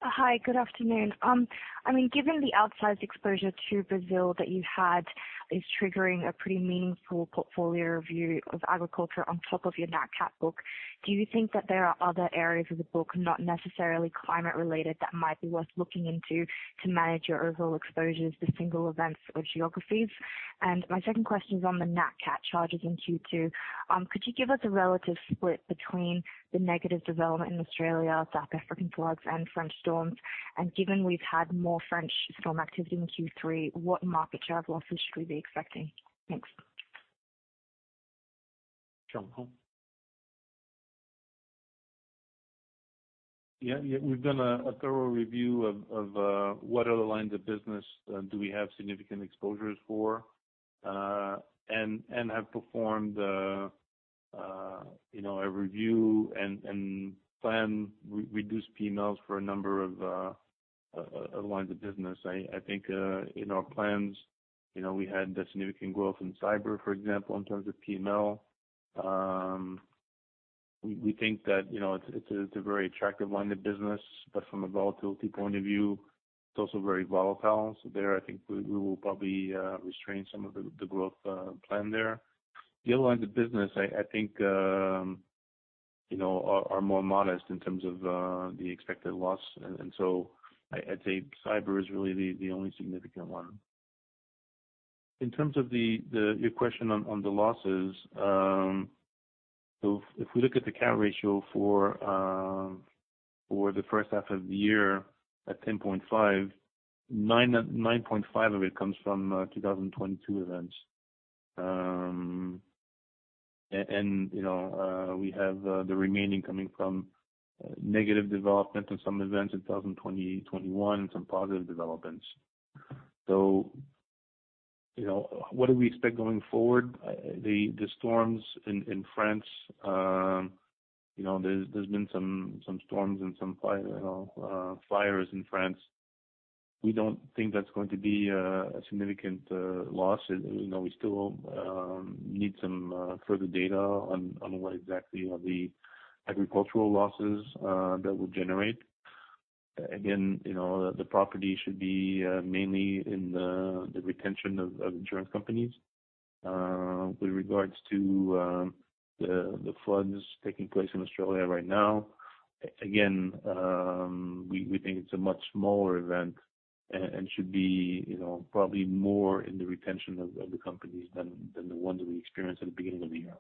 Hi, good afternoon. I mean, given the outsized exposure to Brazil that you had is triggering a pretty meaningful portfolio review of agriculture on top of your Nat Cat book, do you think that there are other areas of the book, not necessarily climate related, that might be worth looking into to manage your overall exposures to single events or geographies? My second question is on the Nat Cat charges in Q2. Could you give us a relative split between the negative development in Australia, South African floods and French storms? Given we've had more French storm activity in Q3, what market share of losses should we be expecting? Thanks. Jean-Paul. Yeah, yeah. We've done a thorough review of what other lines of business do we have significant exposures for, and have performed you know a review and plan to reduce PMLs for a number of lines of business. I think in our plans you know we had the significant growth in cyber, for example, in terms of PML. We think that you know it's a very attractive line of business, but from a volatility point of view, it's also very volatile. There, I think we will probably restrain some of the growth plan there. The other lines of business, I think you know are more modest in terms of the expected loss. I'd say cyber is really the only significant one. In terms of your question on the losses. If we look at the cat ratio for the first half of the year at 10.59%, 9.5% of it comes from 2022 events. We have the remaining coming from negative development in some events in 2020 and 2021 and some positive developments. You know, what do we expect going forward? The storms in France, you know, there's been some storms and some fires in France. We don't think that's going to be a significant loss. You know, we still need some further data on what exactly are the agricultural losses that will generate. Again, you know, the property should be mainly in the retention of insurance companies. With regards to the floods taking place in Australia right now, again, we think it's a much smaller event and should be, you know, probably more in the retention of the companies than the ones that we experienced at the beginning of the year.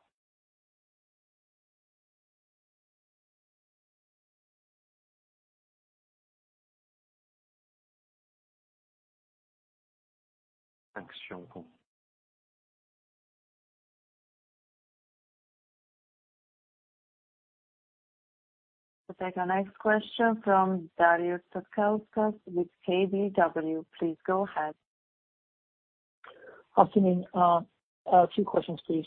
Thanks, Jean-Paul. We'll take our next question from Darius Satkauskas with KBW. Please go ahead. Afternoon. Two questions, please.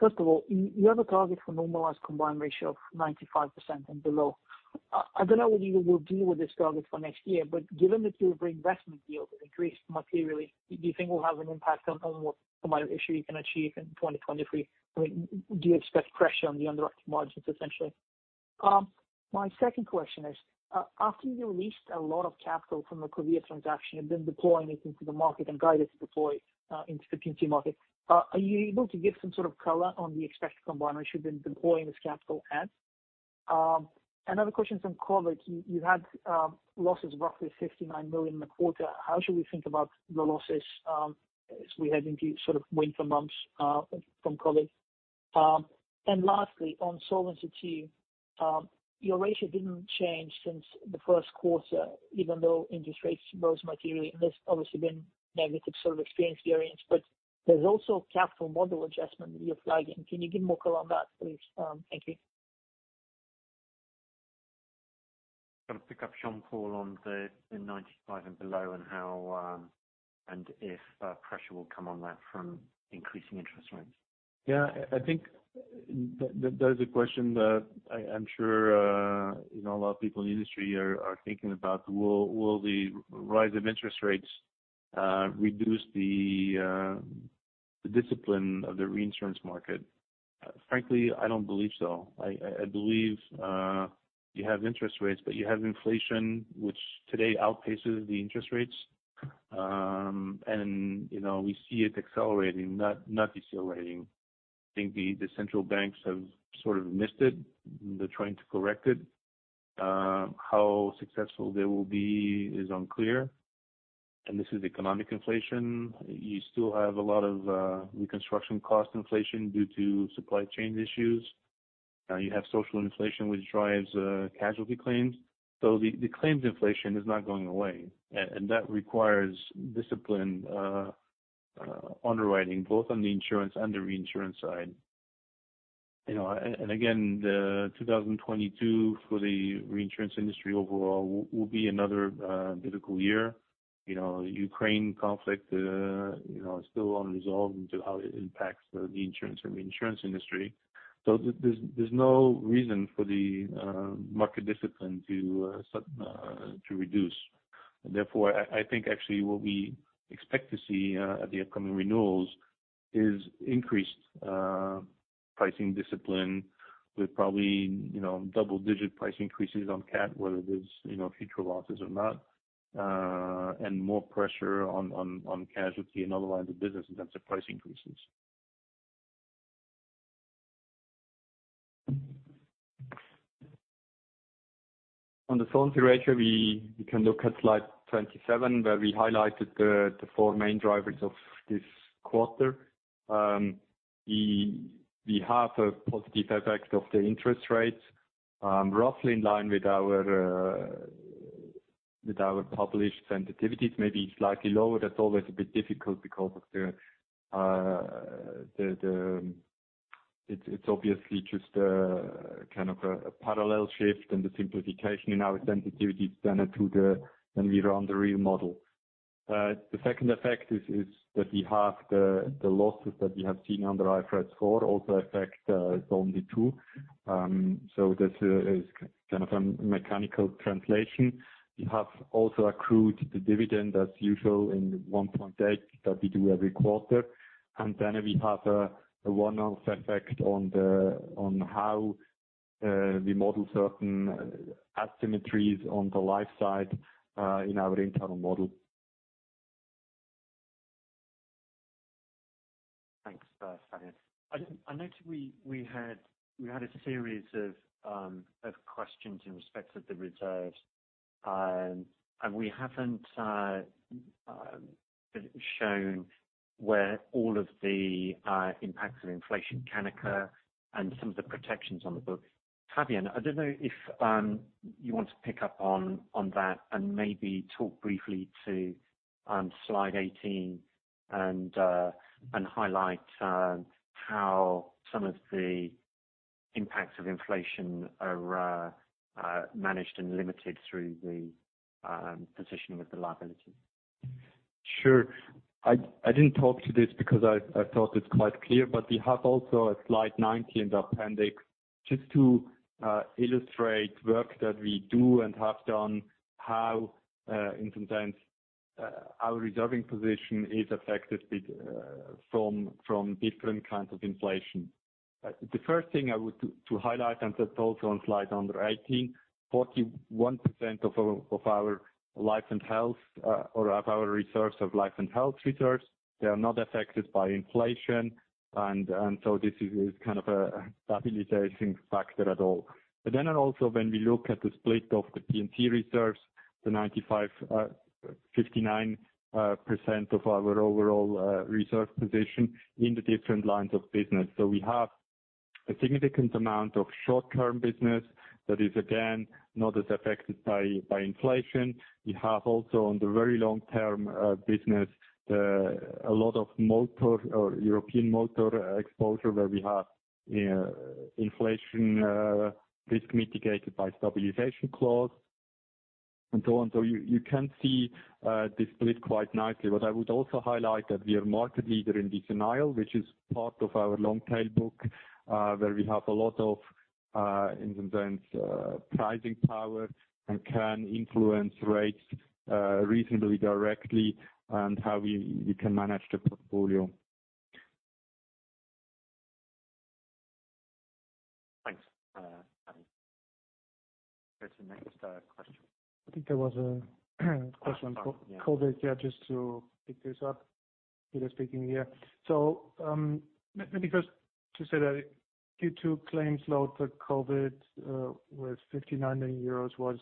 First of all, you have a target for normalized combined ratio of 95% and below. I don't know whether you will deal with this target for next year, but given that your reinvestment yield increased materially, do you think it will have an impact on what combined ratio you can achieve in 2023? I mean, do you expect pressure on the underwriting margins essentially? My second question is, after you released a lot of capital from the Covéa transaction and then deploying it into the market and guided to deploy into the P&C market, are you able to give some sort of color on the expected combined ratio you've been deploying this capital at? Another question is on COVID. You had losses roughly 59 million in the quarter. How should we think about the losses, as we head into sort of winter months from COVID? And lastly, on Solvency II, your ratio didn't change since the first quarter, even though interest rates rose materially, and there's obviously been negative sort of experience variance. There's also capital model adjustment that you're flagging. Can you give more color on that, please? Thank you. Can you pick up Jean-Paul on the 95% and below and how and if pressure will come on that from increasing interest rates. Yeah. I think that is a question that I'm sure, you know, a lot of people in the industry are thinking about. Will the rise of interest rates reduce the discipline of the reinsurance market? Frankly, I don't believe so. I believe you have interest rates, but you have inflation, which today outpaces the interest rates. You know, we see it accelerating, not decelerating. I think the central banks have sort of missed it. They're trying to correct it. How successful they will be is unclear. This is economic inflation. You still have a lot of reconstruction cost inflation due to supply chain issues. You have social inflation, which drives casualty claims. The claims inflation is not going away. That requires discipline, underwriting, both on the insurance and the reinsurance side. You know, again, 2022 for the reinsurance industry overall will be another difficult year. You know, Ukraine conflict, you know, still unresolved as to how it impacts the insurance and reinsurance industry. There's no reason for the market discipline to reduce. Therefore, I think actually what we expect to see at the upcoming renewals is increased pricing discipline with probably, you know, double-digit price increases on cat, whether there's, you know, future losses or not, and more pressure on casualty and other lines of business in terms of price increases. On the solvency ratio, we can look at slide 27, where we highlighted the four main drivers of this quarter. We have a positive effect of the interest rates, roughly in line with our published sensitivities, maybe slightly lower. That's always a bit difficult because it's obviously just a kind of a parallel shift and the simplification in our sensitivities when we run the real model. The second effect is that we have the losses that we have seen on the IFRS 4 also affect Solvency II. This is kind of a mechanical translation. We have also accrued the dividend as usual in 1.8 that we do every quarter. We have a one-off effect on how we model certain asymmetries on the life side in our internal model. Thanks, Fabian. I noticed we had a series of questions in respect of the reserves, and we haven't shown where all of the impacts of inflation can occur and some of the protections on the book. Fabian, I don't know if you want to pick up on that and maybe talk briefly to slide 18 and highlight how some of the impacts of inflation are managed and limited through the position with the liability. Sure. I didn't talk to this because I thought it's quite clear. We have also a slide 90 in the appendix just to illustrate work that we do and have done, how sometimes our reserving position is affected by different kinds of inflation. The first thing I would like to highlight, and that's also on slide number 18, 41% of our Life & Health reserves are not affected by inflation. This is kind of a stabilizing factor after all. Also when we look at the split of the P&C reserves, the 95%, 59% of our overall reserve position in the different lines of business. We have a significant amount of short-term business that is again, not as affected by inflation. We have also, on the very long-term, business, a lot of motor or European motor exposure where we have, inflation, risk mitigated by stabilization clause and so on. You can see the split quite nicely. What I would also highlight that we are market leader in decennial, which is part of our long tail book, where we have a lot of, in some sense, pricing power and can influence rates, reasonably directly and how we can manage the portfolio. Thanks, Fabian. Go to the next question. I think there was a question. Oh, sorry. Yeah. On COVID. Yeah, just to pick this up. Frieder speaking here. Let me first just say that Q2 claims load for COVID with 59 million euros was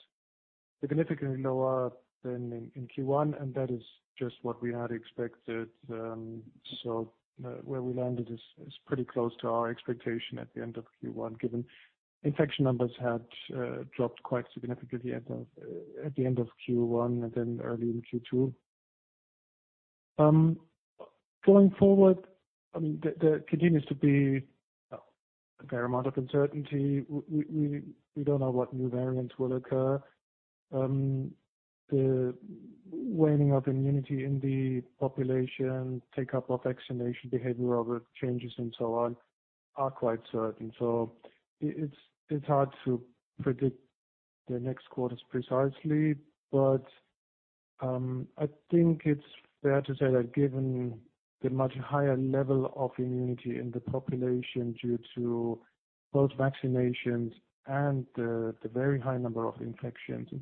significantly lower than in Q1, and that is just what we had expected. Where we landed is pretty close to our expectation at the end of Q1, given infection numbers had dropped quite significantly at the end of Q1 and then early in Q2. Going forward, I mean, there continues to be a fair amount of uncertainty. We don't know what new variants will occur. The waning of immunity in the population, uptake of vaccination behavior, other changes, and so on are quite uncertain. It's hard to predict the next quarters precisely. I think it's fair to say that given the much higher level of immunity in the population due to both vaccinations and the very high number of infections, in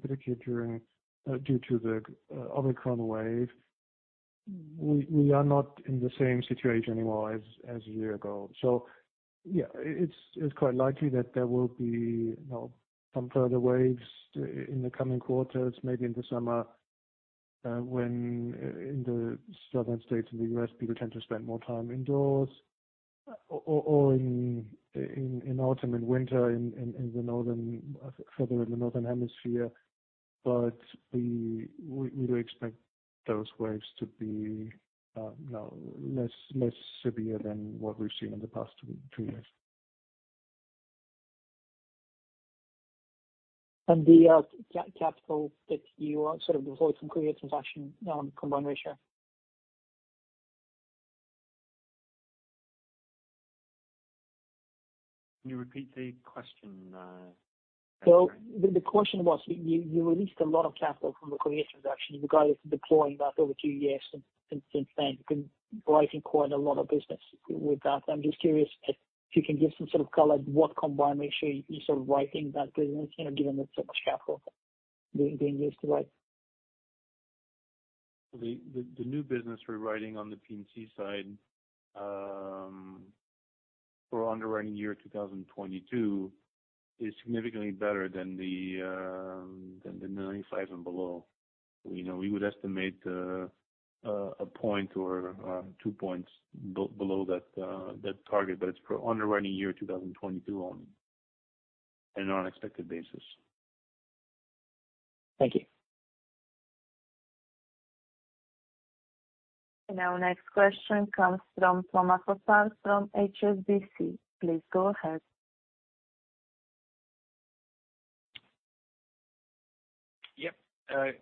particular due to the Omicron wave, we are not in the same situation anymore as a year ago. Yeah, it's quite likely that there will be, you know, some further waves in the coming quarters, maybe in the summer, when in the southern states in the U.S., people tend to spend more time indoors or in autumn and winter in the northern further north in the northern hemisphere. We do expect those waves to be, you know, less severe than what we've seen in the past two years. The capital that you sort of deployed from Covéa transaction, combined ratio. Can you repeat the question? The question was, you released a lot of capital from the Covéa transaction. You guys are deploying that over two years. Since then, you've been writing quite a lot of business with that. I'm just curious if you can give some sort of color what combined ratio you're sort of writing that business, you know, given that sort of capital being used to write. The new business we're writing on the P&C side, for underwriting year 2022, is significantly better than the 95% and below. You know, we would estimate a point or 2 points below that target, but it's for underwriting year 2022 only on an unexpected basis. Thank you. Our next question comes from Thomas Fossard from HSBC. Please go ahead. Yep.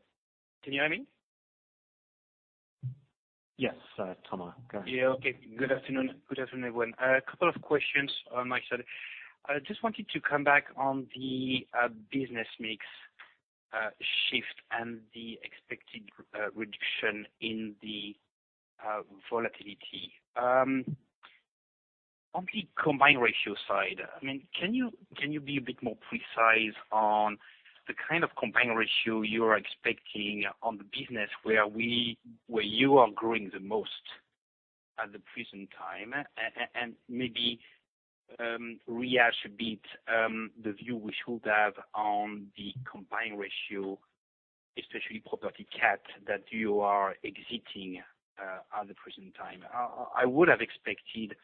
Can you hear me? Yes, Thomas, go ahead. Yeah. Okay. Good afternoon. Good afternoon, everyone. A couple of questions on my side. I just wanted to come back on the business mix shift and the expected reduction in the volatility. On the combined ratio side, I mean, can you be a bit more precise on the kind of combined ratio you are expecting on the business where you are growing the most at the present time? Maybe rehash a bit the view we should have on the combined ratio, especially property cat that you are exiting at the present time. I would have expected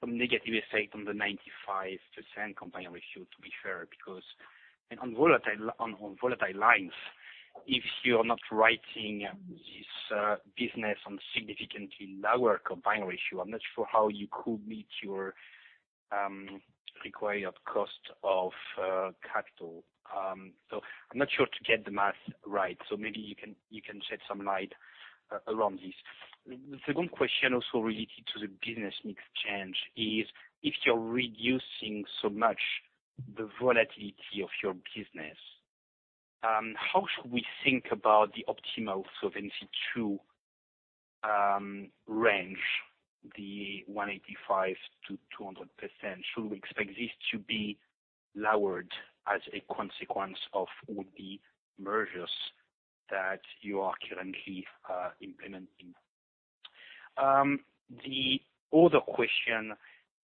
some negative effect on the 95% combined ratio, to be fair, because on volatile lines. If you're not writing this business on significantly lower combined ratio, I'm not sure how you could meet your required cost of capital. I'm not sure I get the math right, so maybe you can shed some light around this. The second question also related to the business mix change is, if you're reducing so much the volatility of your business, how should we think about the optimal Solvency II range, the 185%-200%? Should we expect this to be lowered as a consequence of all the mergers that you are currently implementing? The other question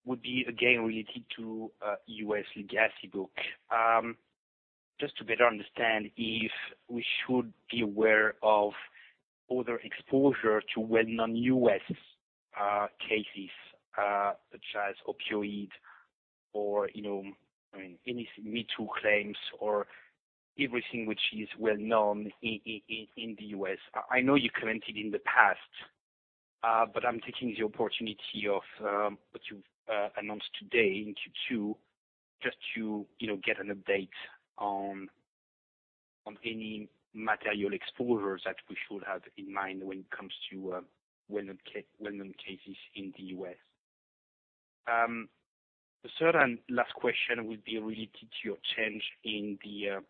would be again related to U.S. legacy book. Just to better understand if we should be aware of other exposure to well-known U.S. cases, such as opioid or, you know, any MeToo claims or everything which is well-known in the U.S. I know you commented in the past, but I'm taking the opportunity of what you've announced today to just, you know, get an update on any material exposures that we should have in mind when it comes to well-known cases in the U.S. The third and last question would be related to your change in the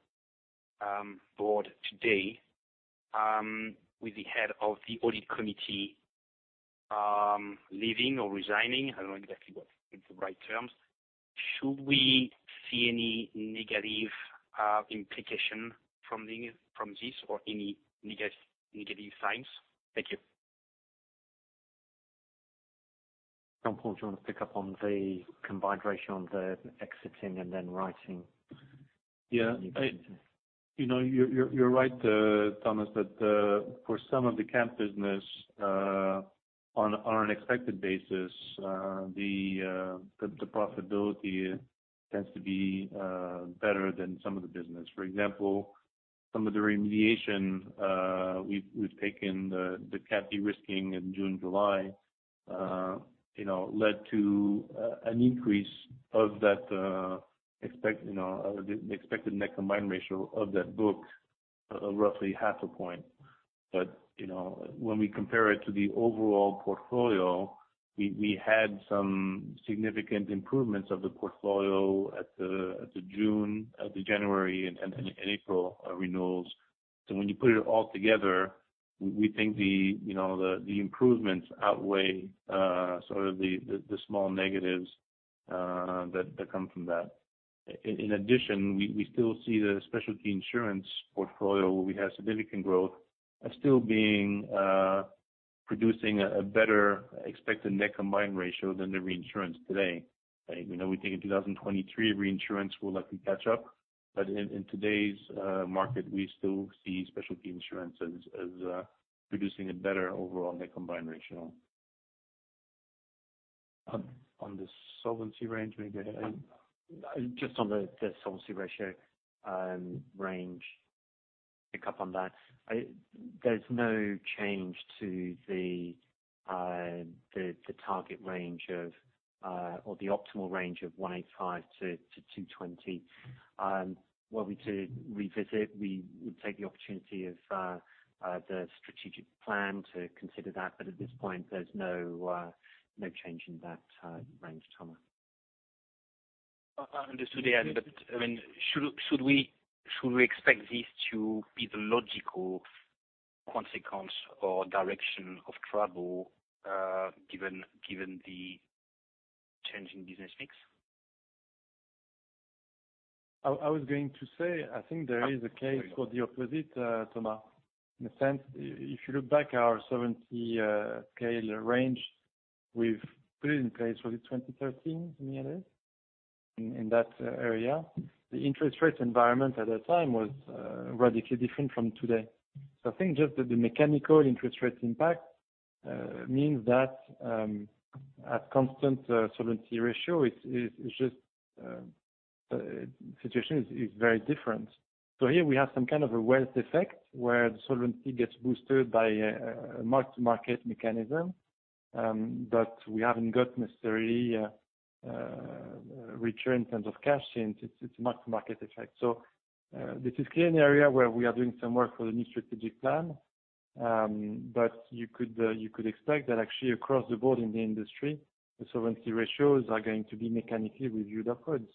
board today, with the head of the Audit Committee leaving or resigning. I don't know exactly what the right term. Should we see any negative implication from this or any negative signs? Thank you. Jean-Paul, do you wanna pick up on the combined ratio on the existing and then writing? Yeah. You know, you're right, Thomas, that for some of the cat business on an expected basis the profitability tends to be better than some of the business. For example, some of the remediation we've taken the cat de-risking in June, July you know led to an increase of that you know the expected net combined ratio of that book of roughly half a point. You know when we compare it to the overall portfolio we had some significant improvements of the portfolio at the June at the January and April renewals. When you put it all together we think the you know the improvements outweigh sort of the small negatives that come from that. In addition, we still see the specialty insurance portfolio where we have significant growth as still being producing a better expected net combined ratio than the reinsurance today. You know, we think in 2023 reinsurance will likely catch up. In today's market, we still see specialty insurance as producing a better overall net combined ratio. On the solvency range, maybe. Just on the solvency ratio range, pick up on that. There's no change to the target range or the optimal range of 185%-220%. Were we to revisit, we would take the opportunity of the strategic plan to consider that, but at this point, there's no change in that range, Thomas. Understood. Yeah. I mean, should we expect this to be the logical consequence or direction of travel, given the change in business mix? I was going to say, I think there is a case for the opposite, Thomas. In a sense, if you look back our solvency scale range, we've put it in place, was it 2013? In that area. The interest rate environment at that time was radically different from today. I think just the mechanical interest rate impact means that at constant solvency ratio it's just situation is very different. Here we have some kind of a wealth effect where the solvency gets boosted by a mark-to-market mechanism. We haven't got necessarily return in terms of cash, since it's mark-to-market effect. This is clearly an area where we are doing some work for the new strategic plan. You could expect that actually across the board in the industry, the solvency ratios are going to be mechanically reviewed upwards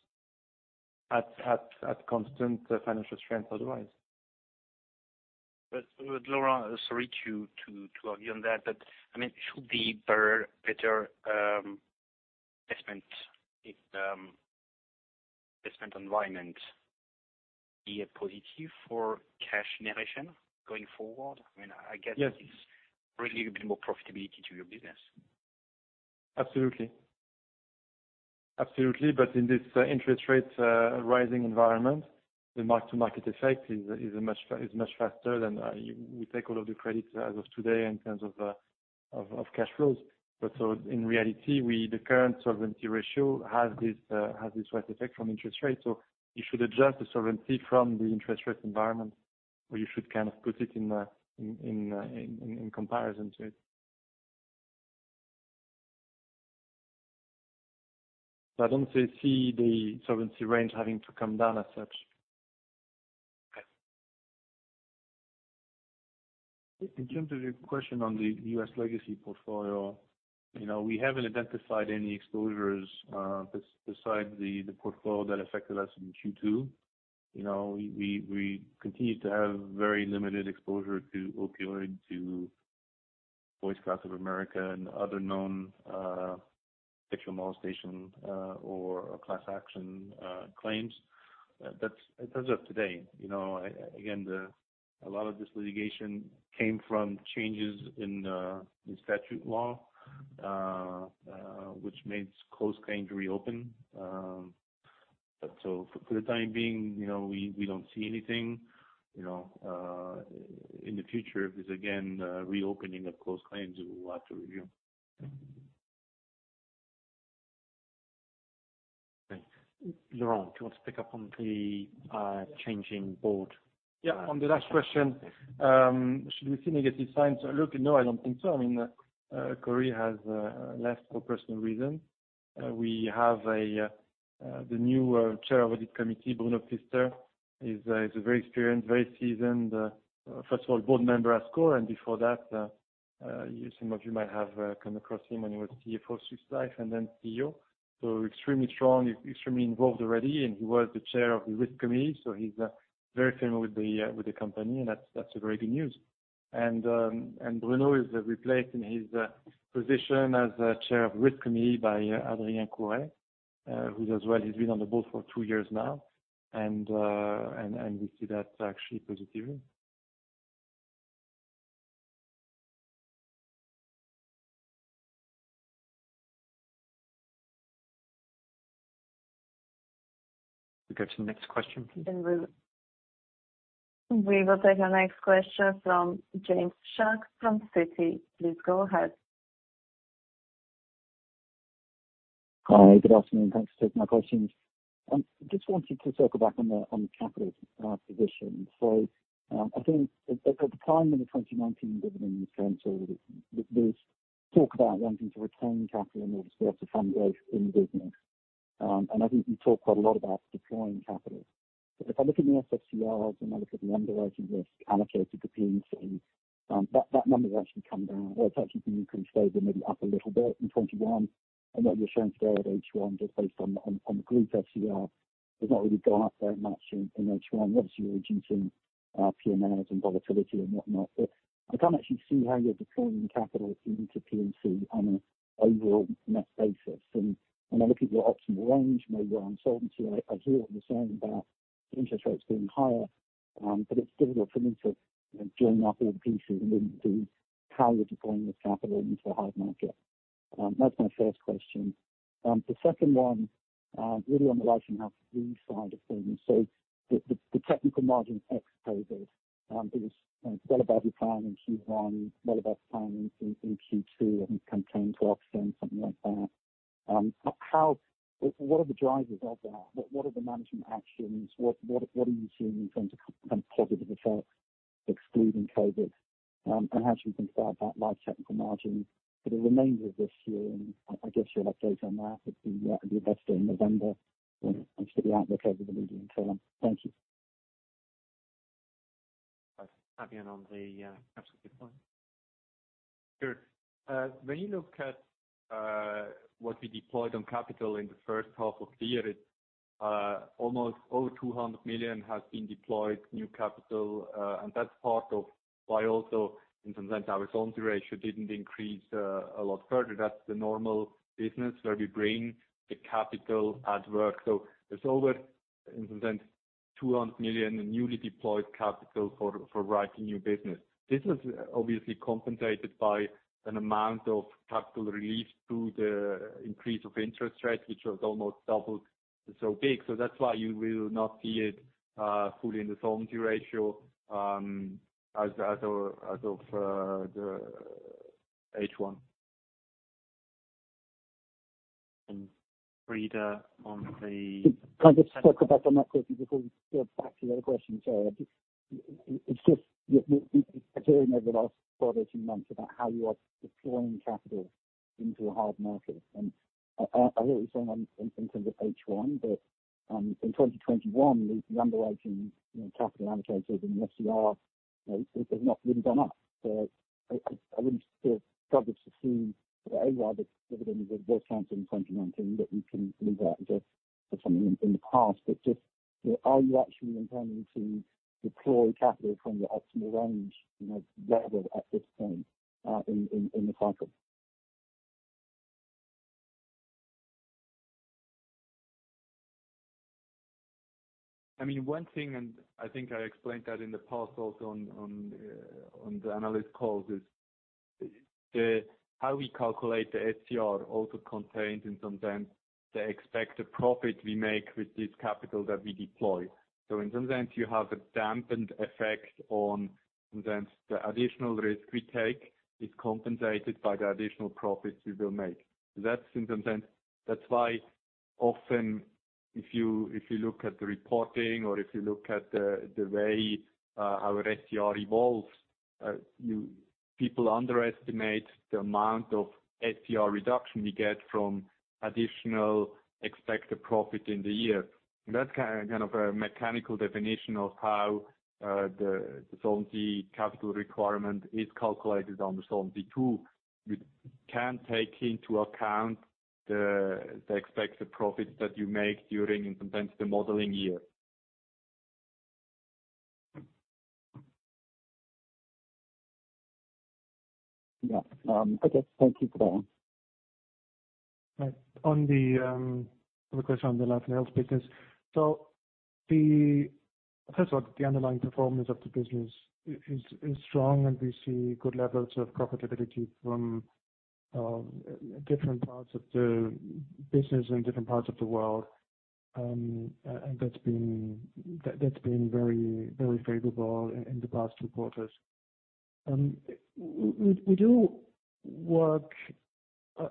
at constant financial strength otherwise. Laurent, sorry to argue on that, but I mean, should the better investment environment be a positive for cash generation going forward? I mean, I guess- Yes. This bring a bit more profitability to your business. Absolutely. In this interest rate rising environment, the mark-to-market effect is much faster than you would take all of the credits as of today in terms of cash flows. In reality, the current solvency ratio has this rate effect from interest rates. You should adjust the solvency from the interest rate environment, or you should kind of put it in the comparison to it. I don't see the solvency range having to come down as such. In terms of your question on the U.S. legacy portfolio, we haven't identified any exposures beside the portfolio that affected us in Q2. We continue to have very limited exposure to opioid, to Boy Scouts of America and other known sexual molestation or class action claims. That's as of today. A lot of this litigation came from changes in statute law which made closed claims reopen. For the time being, we don't see anything in the future, if there's again a reopening of closed claims, we will have to review. Laurent, do you want to pick up on the changing board? Yeah. On the last question, should we see negative signs? Look, no, I don't think so. I mean, Corey has left for personal reasons. We have the new chair of the Audit Committee, Bruno Pfister, is a very experienced, very seasoned first of all board member at SCOR. Before that, some of you might have come across him when he was CFO of Swiss Life and then CEO. Extremely strong, extremely involved already. He was the chair of the Risk Committee, so he's very familiar with the company, and that's a very good news. Bruno is replacing his position as chair of Risk Committee by Adrien Couret, who as well has been on the board for two years now. We see that actually positively. We go to the next question, please. We will take our next question from James Shuck from Citi. Please go ahead. Hi. Good afternoon. Thanks for taking my questions. Just wanted to circle back on the capital position. I think at the time in the 2019 Investor Day in September, there's talk about wanting to retain capital in order to be able to fund growth in the business. I think you talk quite a lot about deploying capital. If I look at the IFRS and I look at the underwriting risk allocated to P&C, that number has actually come down. Well, it's actually been increased over maybe up a little bit in 2021. I know you're showing today at H1 just based on the group SCR has not really gone up very much in H1. Obviously, you're hedging to PML and volatility and whatnot. I can't actually see how you're deploying capital into P&C on an overall net basis. When I look at your optimal range, maybe your uncertainty, I hear what you're saying about interest rates being higher, but it's difficult for me to join up all the pieces and then see how you're deploying the capital into a hard market. That's my first question. The second one, really on the right and left sides of things. The technical margin ex post, it was well above your plan in Q1, well above plan in Q2, I think 10%-12%, something like that. What are the drivers of that? What are the management actions? What are you seeing in terms of positive effects excluding COVID? How should we think about that life technical margin for the remainder of this year? I guess your update on that at the Investor Day in November and obviously the outlook over the medium term. Thank you. Fabian, on the capital deployment. Sure. When you look at what we deployed on capital in the first half of the year, almost 200 million has been deployed new capital, and that's part of why also in some sense our solvency ratio didn't increase a lot further. That's the normal business where we bring the capital at work. There's over, in some sense, 200 million newly deployed capital for writing new business. This is obviously compensated by an amount of capital relief through the increase of interest rates, which was almost double, so big. That's why you will not see it fully in the solvency ratio as of H1. Can I just circle back on that quickly before you go back to the other question, sir? It's just, you know, over the last 12 or 18 months about how you are deploying capital into a hard market. I hear what you're saying in terms of H1, but in 2021, the underwriting, you know, capital allocated and the SCR, you know, it's not really gone up. I would still struggle to see the plan that delivered on the growth goals in 2019, that we can leave that in the past. Just are you actually intending to deploy capital from your optimal range, you know, level at this point in the cycle? I mean, one thing, I think I explained that in the past also on the analyst calls, is the how we calculate the SCR also contained in some sense the expected profit we make with this capital that we deploy. In some sense, you have a dampened effect on the additional risk we take is compensated by the additional profits we will make. That's in some sense. That's why often if you look at the reporting or if you look at the way our SCR evolves, people underestimate the amount of SCR reduction we get from additional expected profit in the year. That's kind of a mechanical definition of how the Solvency Capital Requirement is calculated under Solvency II. We can take into account the expected profits that you make during in sometimes the modeling year. Yeah. Okay. Thank you for that. On the question on the Life & Health business. First of all, the underlying performance of the business is strong, and we see good levels of profitability from different parts of the business in different parts of the world. And that's been very, very favorable in the past two quarters. We do work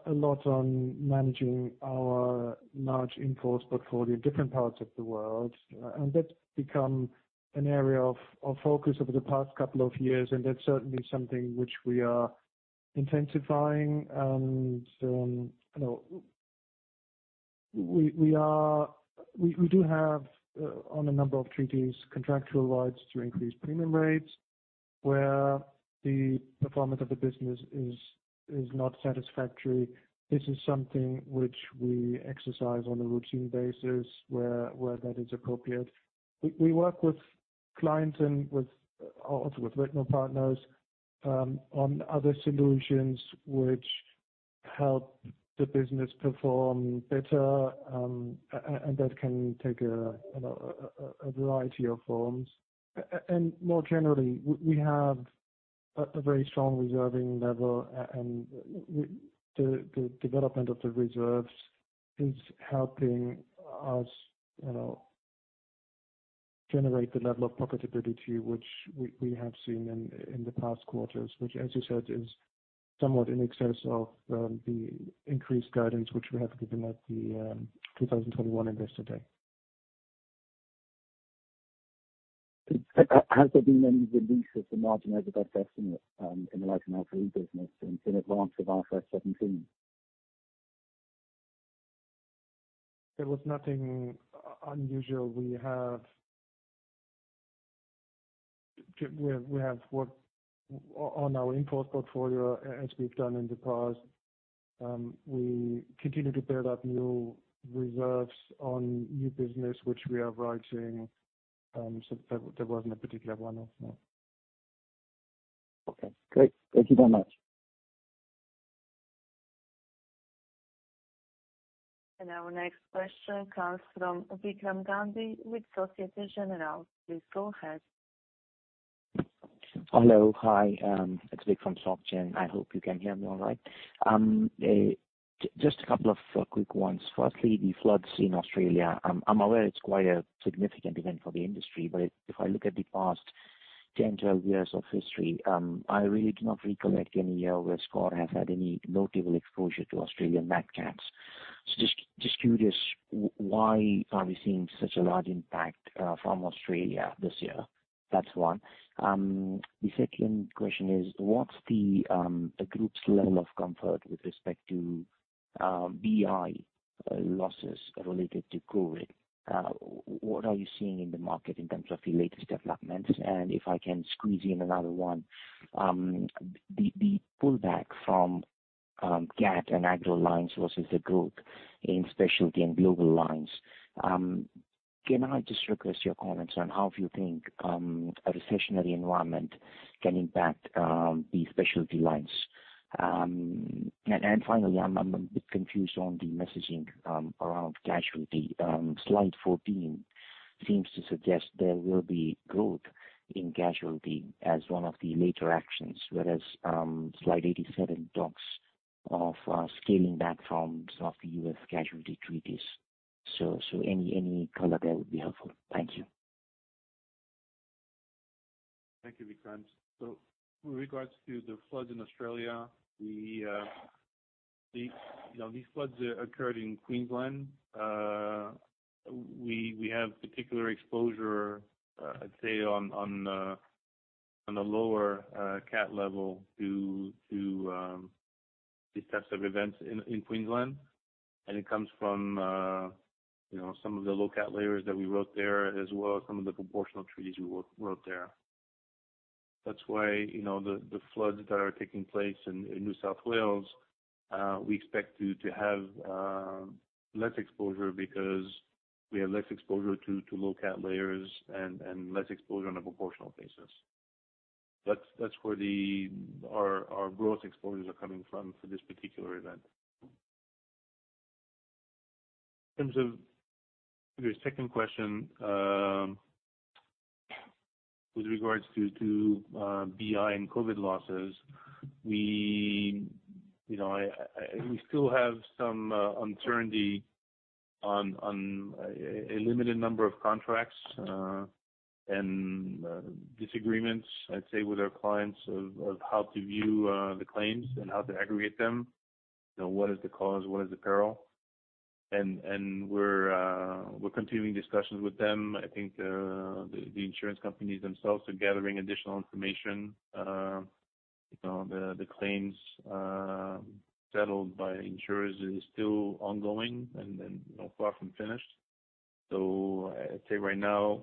a lot on managing our large in-force portfolio in different parts of the world, and that's become an area of focus over the past couple of years, and that's certainly something which we are intensifying. You know, we do have, on a number of treaties, contractual rights to increase premium rates where the performance of the business is not satisfactory. This is something which we exercise on a routine basis where that is appropriate. We work with clients and also with retail partners on other solutions which help the business perform better, and that can take, you know, a variety of forms. More generally, we have a very strong reserving level, and the development of the reserves is helping us, you know, generate the level of profitability which we have seen in the past quarters, which, as you said, is somewhat in excess of the increased guidance which we have given at the 2021 Investor Day. Has there been any release of the margin over that estimate, in the Life & Health business in advance of IFRS 17? There was nothing unusual. We have worked on our in-force portfolio as we've done in the past. We continue to build up new reserves on new business which we are writing, so there wasn't a particular one, no. Okay, great. Thank you very much. Our next question comes from Vikram Gandhi with Société Générale. Please go ahead. Hello. Hi, it's Vikram from Soc Gen. I hope you can hear me all right. Just a couple of quick ones. Firstly, the floods in Australia. I'm aware it's quite a significant event for the industry, but if I look at the past 10, 12 years of history, I really do not recollect any year where SCOR has had any notable exposure to Australian Nat Cats. So just curious, why are we seeing such a large impact from Australia this year? That's one. The second question is, what's the group's level of comfort with respect to BI losses related to COVID? What are you seeing in the market in terms of the latest developments? If I can squeeze in another one, the pullback from cat and agro lines versus the growth in specialty and global lines. Can I just request your comments on how you think a recessionary environment can impact the specialty lines? Finally, I'm a bit confused on the messaging around casualty. Slide 14 seems to suggest there will be growth in casualty as one of the later actions, whereas slide 87 talks of scaling back from some of the U.S. casualty treaties. Any color there would be helpful. Thank you. Thank you, Vikram. With regards to the floods in Australia, you know, these floods occurred in Queensland. We have particular exposure, I'd say on the lower cat level to these types of events in Queensland. It comes from, you know, some of the low cat layers that we wrote there as well as some of the proportional treaties we wrote there. That's why you know, the floods that are taking place in New South Wales, we expect to have less exposure because we have less exposure to low cat layers and less exposure on a proportional basis. That's where our gross exposures are coming from for this particular event. In terms of your second question, With regards to BI and COVID losses, we still have some uncertainty on a limited number of contracts and disagreements, I'd say, with our clients of how to view the claims and how to aggregate them. What is the cause, what is the peril? We're continuing discussions with them. I think the insurance companies themselves are gathering additional information. The claims settled by insurers is still ongoing and far from finished. I'd say right now,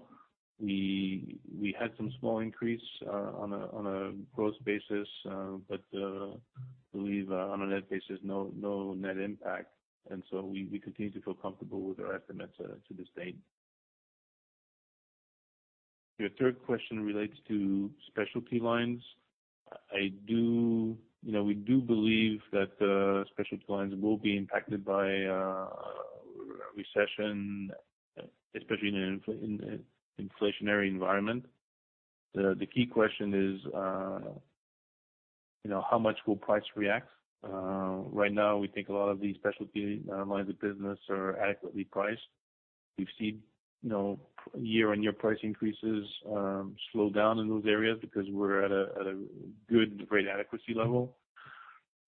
we had some small increase on a gross basis, but believe on a net basis, no net impact. We continue to feel comfortable with our estimates to this date. Your third question relates to specialty lines. You know, we do believe that specialty lines will be impacted by recession, especially in an inflationary environment. The key question is, you know, how much will price react? Right now, we think a lot of these specialty lines of business are adequately priced. We've seen, you know, year-on-year price increases slow down in those areas because we're at a good rate adequacy level.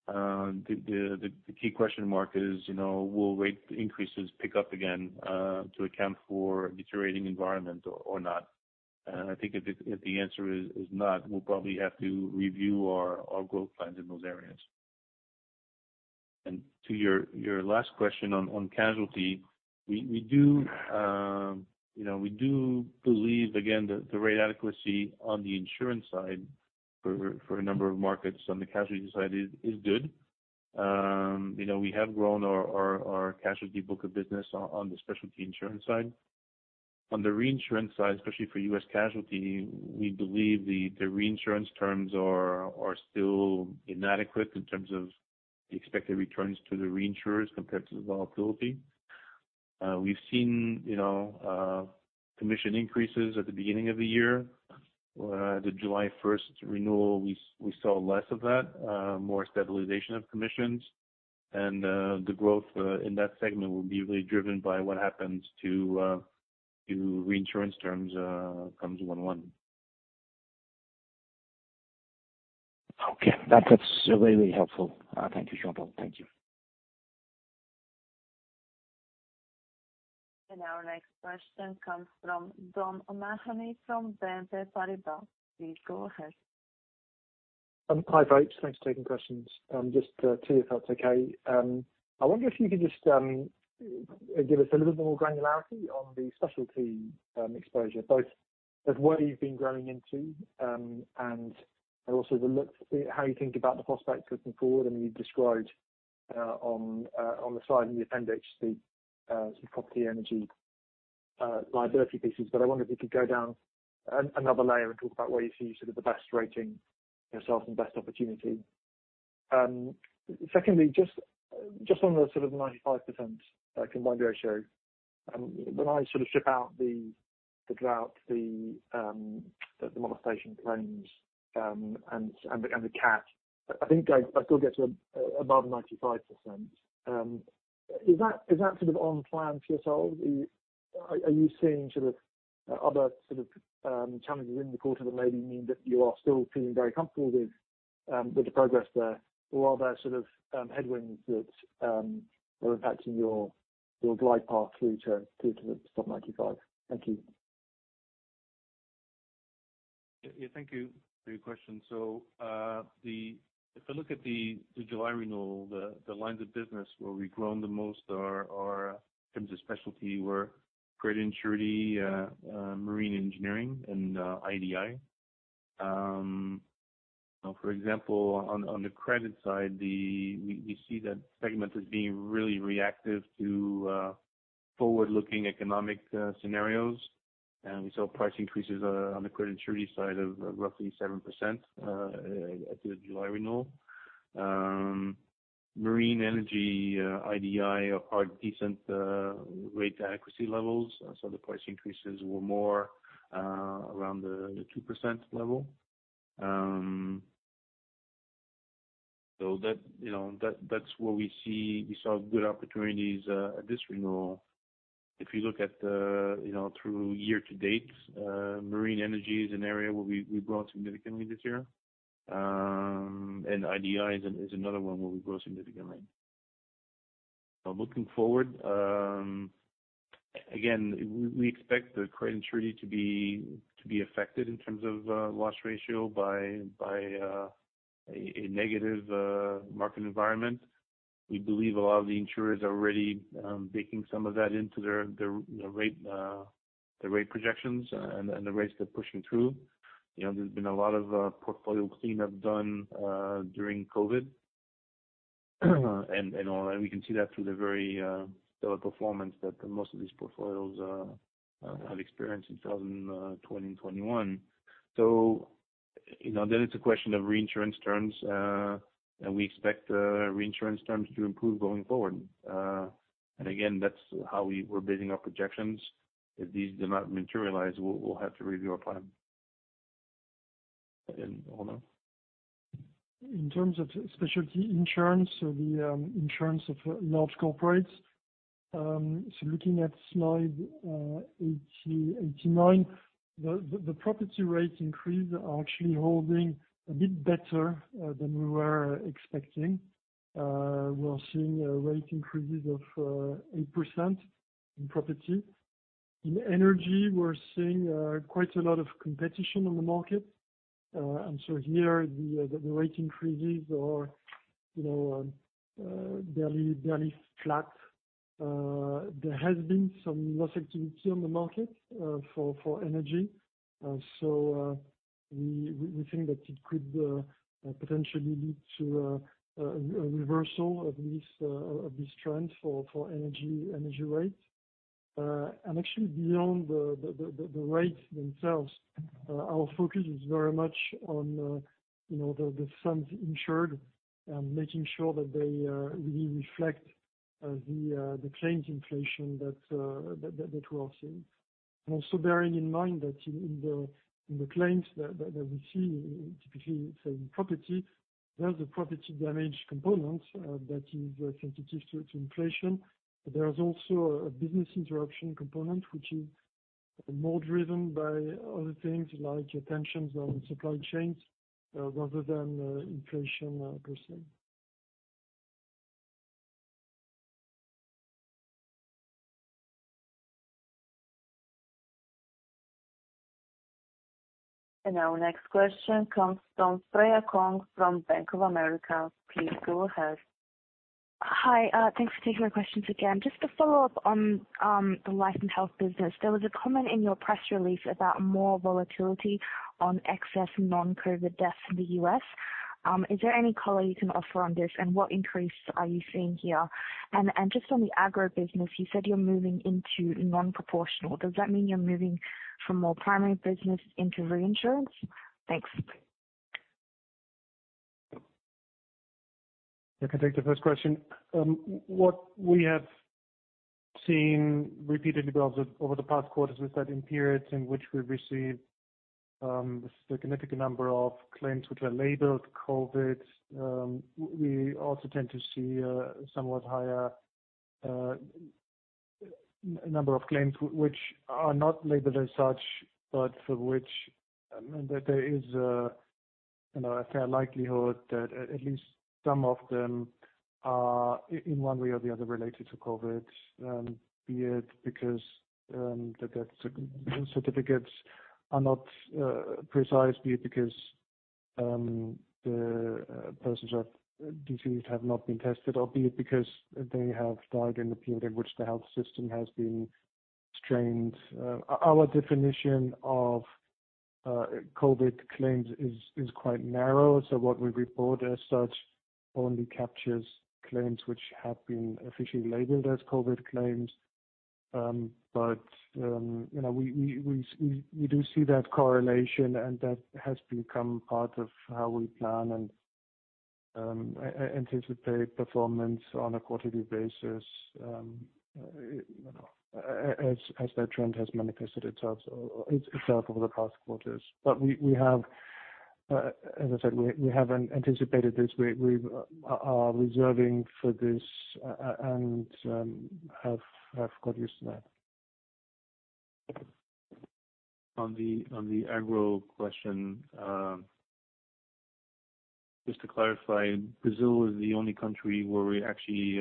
The key question mark is, you know, will rate increases pick up again to account for deteriorating environment or not? I think if the answer is not, we'll probably have to review our growth plans in those areas. To your last question on casualty, we do believe, again, the rate adequacy on the insurance side for a number of markets on the casualty side is good. You know, we have grown our casualty book of business on the specialty insurance side. On the reinsurance side, especially for U.S. casualty, we believe the reinsurance terms are still inadequate in terms of the expected returns to the reinsurers compared to the volatility. We've seen, you know, commission increases at the beginning of the year. The July first renewal, we saw less of that, more stabilization of commissions. The growth in that segment will be really driven by what happens to reinsurance terms, comes 1/1. Okay. That, that's really helpful. Thank you, Jean-Paul. Thank you. Our next question comes from Dominic O'Mahony from BNP Paribas. Please go ahead. Hi, folks. Thanks for taking questions. Just two if that's okay. I wonder if you could just give us a little bit more granularity on the specialty exposure, both of where you've been growing into and also how you think about the prospects looking forward. I mean, you've described on the side in the appendix the sort of property energy liability pieces, but I wonder if you could go down another layer and talk about where you see sort of the best rating yourself and best opportunity. Secondly, just on the sort of 95% combined ratio, when I sort of strip out the drought, the molestation claims, and the cat, I think I still get to above 95%. Is that sort of on plan for yourselves? Are you seeing sort of other challenges in the quarter that maybe mean that you are still feeling very comfortable with the progress there? Or are there sort of headwinds that are impacting your glide path through to the sub-95%? Thank you. Yeah. Thank you for your question. If I look at the July renewal, the lines of business where we've grown the most are, in terms of specialty, were credit and surety, marine and energy and IDI. For example, on the credit side, we see that segment is being really reactive to forward-looking economic scenarios. We saw price increases on the credit and surety side of roughly 7% at the July renewal. Marine and energy, IDI are decent rate adequacy levels. The price increases were more around the 2% level. That, you know, that's where we saw good opportunities at this renewal. If you look at the through year-to-date, marine and energy is an area where we've grown significantly this year. IDI is another one where we grew significantly. Now looking forward, again, we expect the credit surety to be affected in terms of loss ratio by a negative market environment. We believe a lot of the insurers are already baking some of that into their rate projections and the rates they're pushing through. You know, there's been a lot of portfolio cleanup done during COVID and all that. We can see that through the very stellar performance that most of these portfolios have experienced in 2020 and 2021. You know, then it's a question of reinsurance terms, and we expect reinsurance terms to improve going forward. Again, that's how we're building our projections. If these do not materialize, we'll have to review our plan. Fabian. In terms of specialty insurance of large corporates. Looking at slide 89, the property rate increase are actually holding a bit better than we were expecting. We are seeing rate increases of 8% in property. In energy, we're seeing quite a lot of competition on the market. Here the rate increases are, you know, barely flat. There has been some loss activity on the market for energy. We think that it could potentially lead to a reversal of this trend for energy rates. Actually beyond the rates themselves, our focus is very much on, you know, the funds insured and making sure that they really reflect the claims inflation that we are seeing. Also bearing in mind that in the claims that we see typically, say, in property, there's a property damage component that is sensitive to inflation. There is also a business interruption component, which is more driven by other things like tensions on supply chains, rather than inflation per se. Our next question comes from Freya Kong from Bank of America. Please go ahead. Hi, thanks for taking my questions again. Just to follow up on the Life & Health business. There was a comment in your press release about more volatility on excess non-COVID deaths in the U.S. Is there any color you can offer on this, and what increase are you seeing here? Just on the agro business, you said you're moving into non-proportional. Does that mean you're moving from more primary business into reinsurance? Thanks. I can take the first question. What we have seen repeatedly over the past quarters is that in periods in which we've received significant number of claims which were labeled COVID, we also tend to see somewhat higher number of claims which are not labeled as such, but for which there is, you know, a fair likelihood that at least some of them are, in one way or the other, related to COVID. Be it because the death certificates are not precise, be it because the persons are deceased have not been tested, or be it because they have died in the period in which the health system has been strained. Our definition of COVID claims is quite narrow. What we report as such only captures claims which have been officially labeled as COVID claims. You know, we do see that correlation, and that has become part of how we plan and anticipate performance on a quarterly basis, you know, as that trend has manifested itself over the past quarters. As I said, we have anticipated this. We are reserving for this and have got used to that. On the agro question, just to clarify, Brazil is the only country where we actually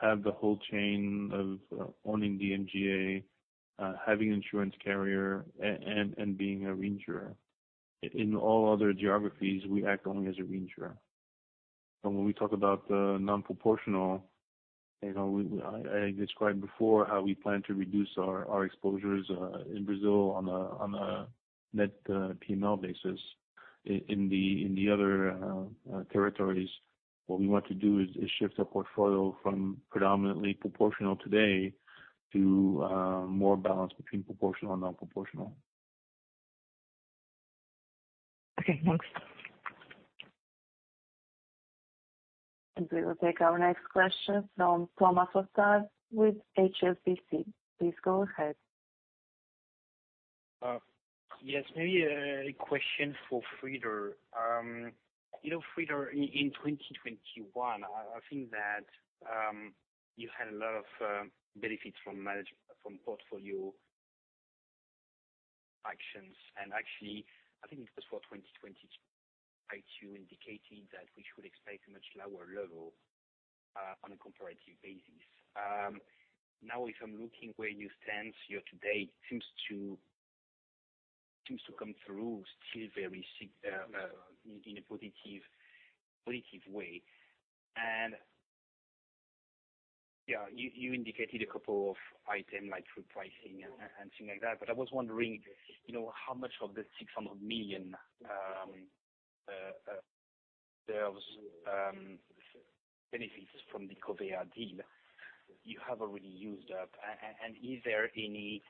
have the whole chain of owning the MGA, having insurance carrier and being a reinsurer. In all other geographies, we act only as a reinsurer. When we talk about the non-proportional, you know, I described before how we plan to reduce our exposures in Brazil on a net PML basis. In the other territories, what we want to do is shift our portfolio from predominantly proportional today to more balanced between proportional and non-proportional. Okay, thanks. We will take our next question from Thomas Fossard with HSBC. Please go ahead. Yes, maybe a question for Frieder. You know, Frieder, in 2021, I think that you had a lot of benefits from portfolio actions. Actually, I think it was for 2022 indicating that we should expect a much lower level on a comparative basis. Now if I'm looking where you stand today, you seem to come through still very significant in a positive way. Yeah, you indicated a couple of items like through pricing and things like that. But I was wondering, you know, how much of the 600 million benefits from the Covéa deal you have already used up. And is there any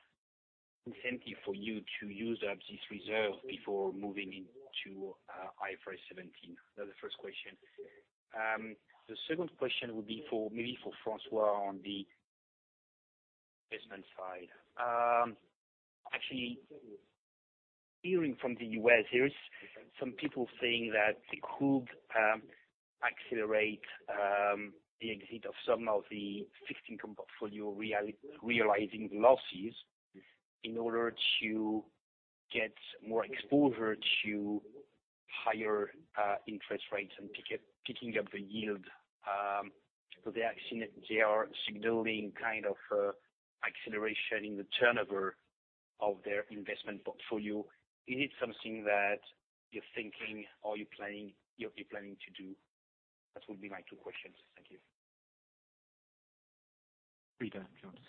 incentive for you to use up this reserve before moving into IFRS 17? That's the first question. The second question would be for, maybe for François on the investment side. Actually hearing from the U.S., there is some people saying that they could accelerate the exit of some of the fixed income portfolio realizing losses in order to get more exposure to higher interest rates and picking up the yield. They are seeing it. They are signaling kind of an acceleration in the turnover of their investment portfolio. Is it something that you're thinking or you're planning, you'll be planning to do? That would be my two questions. Thank you. Frieder, do you want to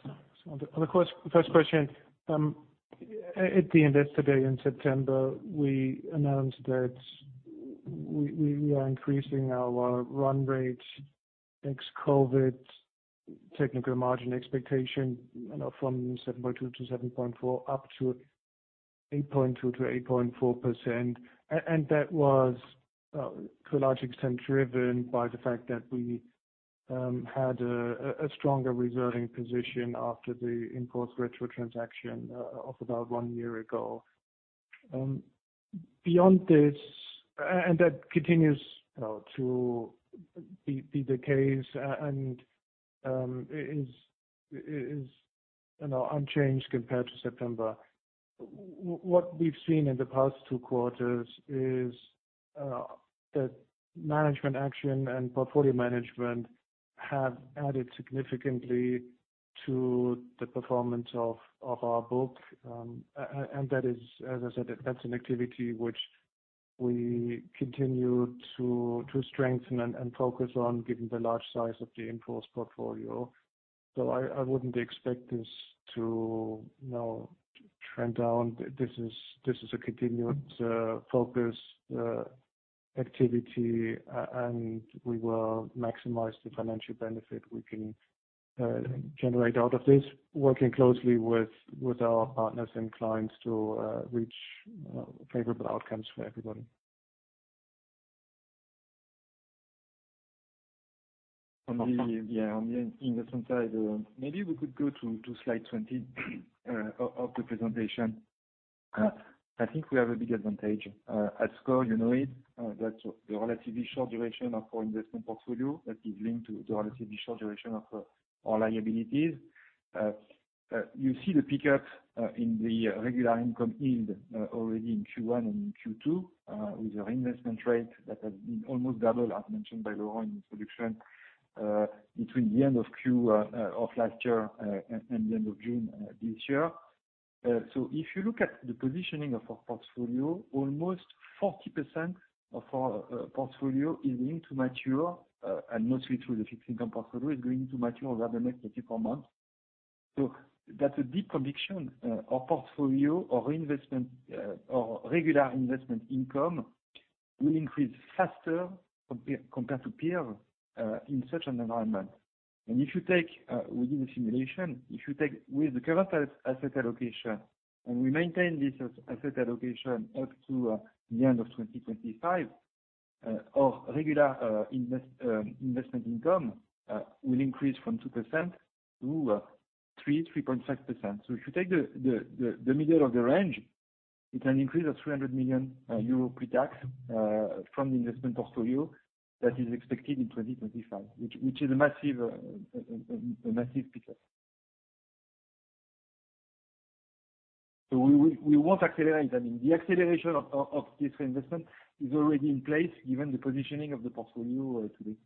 start? On the first question, at the Investor Day in September, we announced that we are increasing our run rate ex-COVID technical margin expectation, you know, from 7.2% to 7.4% up to 8.2% to 8.4%. That was, to a large extent, driven by the fact that we had a stronger reserving position after the in-force retro transaction of about one year ago. Beyond this, that continues, you know, to be the case and is, you know, unchanged compared to September. What we've seen in the past two quarters is that management action and portfolio management have added significantly to the performance of our book. That is, as I said, that's an activity which we continue to strengthen and focus on given the large size of the in-force portfolio. I wouldn't expect this to, you know, trend down. This is a continuous focus activity. We will maximize the financial benefit we can generate out of this, working closely with our partners and clients to reach favorable outcomes for everybody. On the investment side, maybe we could go to slide 20 of the presentation. I think we have a big advantage at SCOR, you know it, that the relatively short duration of our investment portfolio that is linked to the relatively short duration of our liabilities. You see the pickup in the regular income yield already in Q1 and in Q2 with our investment rate that has been almost double, as mentioned by Laurent in his introduction, between the end of last year and the end of June this year. If you look at the positioning of our portfolio, almost 40% of our portfolio is going to mature, and mostly through the fixed income portfolio, is going to mature over the next 24 months. That's a deep conviction. Our portfolio, our investment, our regular investment income will increase faster compared to peers in such an environment. If you take, we did a simulation. If you take with the current asset allocation, and we maintain this asset allocation up to the end of 2025, our regular investment income will increase from 2% to 3%, 3.5%. If you take the middle of the range, it's an increase of 300 million euro pre-tax from the investment portfolio that is expected in 2025, which is a massive pickup. We won't accelerate. I mean, the acceleration of this investment is already in place given the positioning of the portfolio today.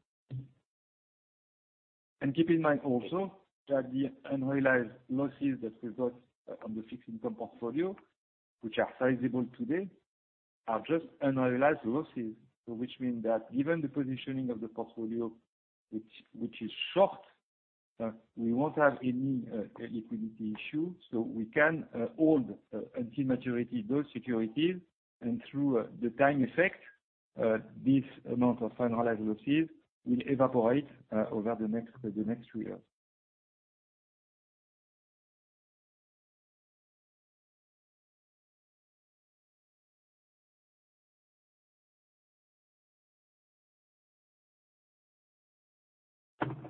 Keep in mind also that the unrealized losses that result on the fixed income portfolio, which are sizable today, are just unrealized losses. Which means that given the positioning of the portfolio, which is short, we won't have any liquidity issue, so we can hold until maturity those securities. Through the time effect, this amount of unrealized losses will evaporate over the next three years.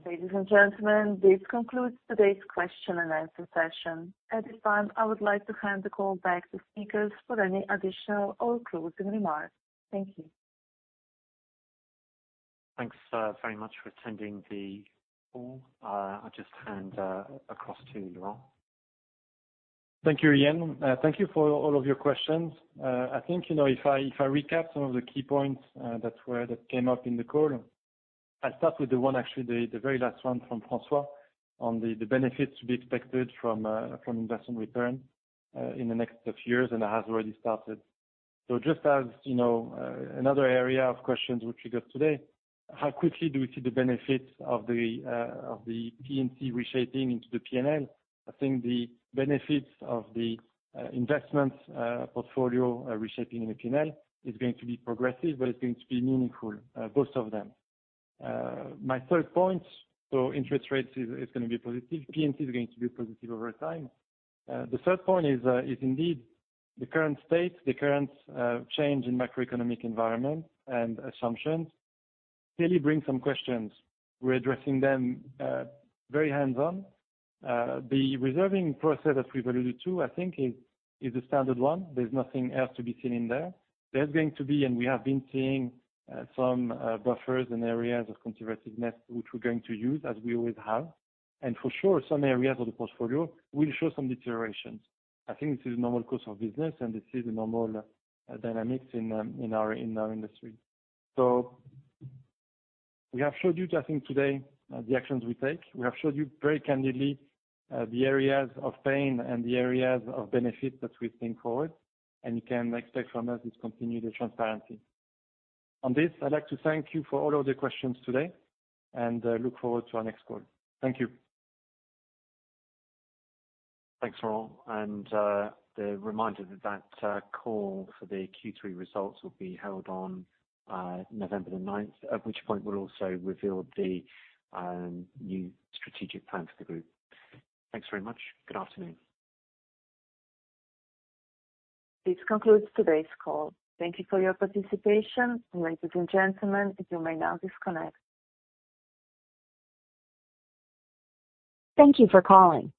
Ladies and gentlemen, this concludes today's question-and-answer session. At this time, I would like to hand the call back to speakers for any additional or closing remarks. Thank you. Thanks, very much for attending the call. I'll just hand across to you Laurent. Thank you, Ian. Thank you for all of your questions. I think, you know, if I recap some of the key points that came up in the call, I'll start with the one, actually the very last one from François on the benefits to be expected from investment return in the next few years and has already started. Just as, you know, another area of questions which we got today, how quickly do we see the benefits of the P&C reshaping into the P&L? I think the benefits of the investment portfolio reshaping in the P&L is going to be progressive, but it's going to be meaningful, both of them. My third point, interest rates is gonna be positive. P&C is going to be positive over time. The third point is indeed the current state, the current change in macroeconomic environment and assumptions clearly bring some questions. We're addressing them very hands-on. The reserving process of 3.2%, I think is a standard one. There's nothing else to be seen in there. There's going to be, and we have been seeing, some buffers and areas of conservativeness, which we're going to use as we always have. For sure, some areas of the portfolio will show some deterioration. I think this is normal course of business, and this is a normal dynamics in our industry. We have showed you, I think today, the actions we take. We have showed you very candidly the areas of pain and the areas of benefit that we think forward. You can expect from us this continued transparency. On this, I'd like to thank you for all of the questions today and look forward to our next call. Thank you. Thanks, Laurent. The reminder that the call for the Q3 results will be held on November the 9th, at which point we'll also reveal the new strategic plan for the group. Thanks very much. Good afternoon. This concludes today's call. Thank you for your participation. Ladies and gentlemen, you may now disconnect. Thank you for calling.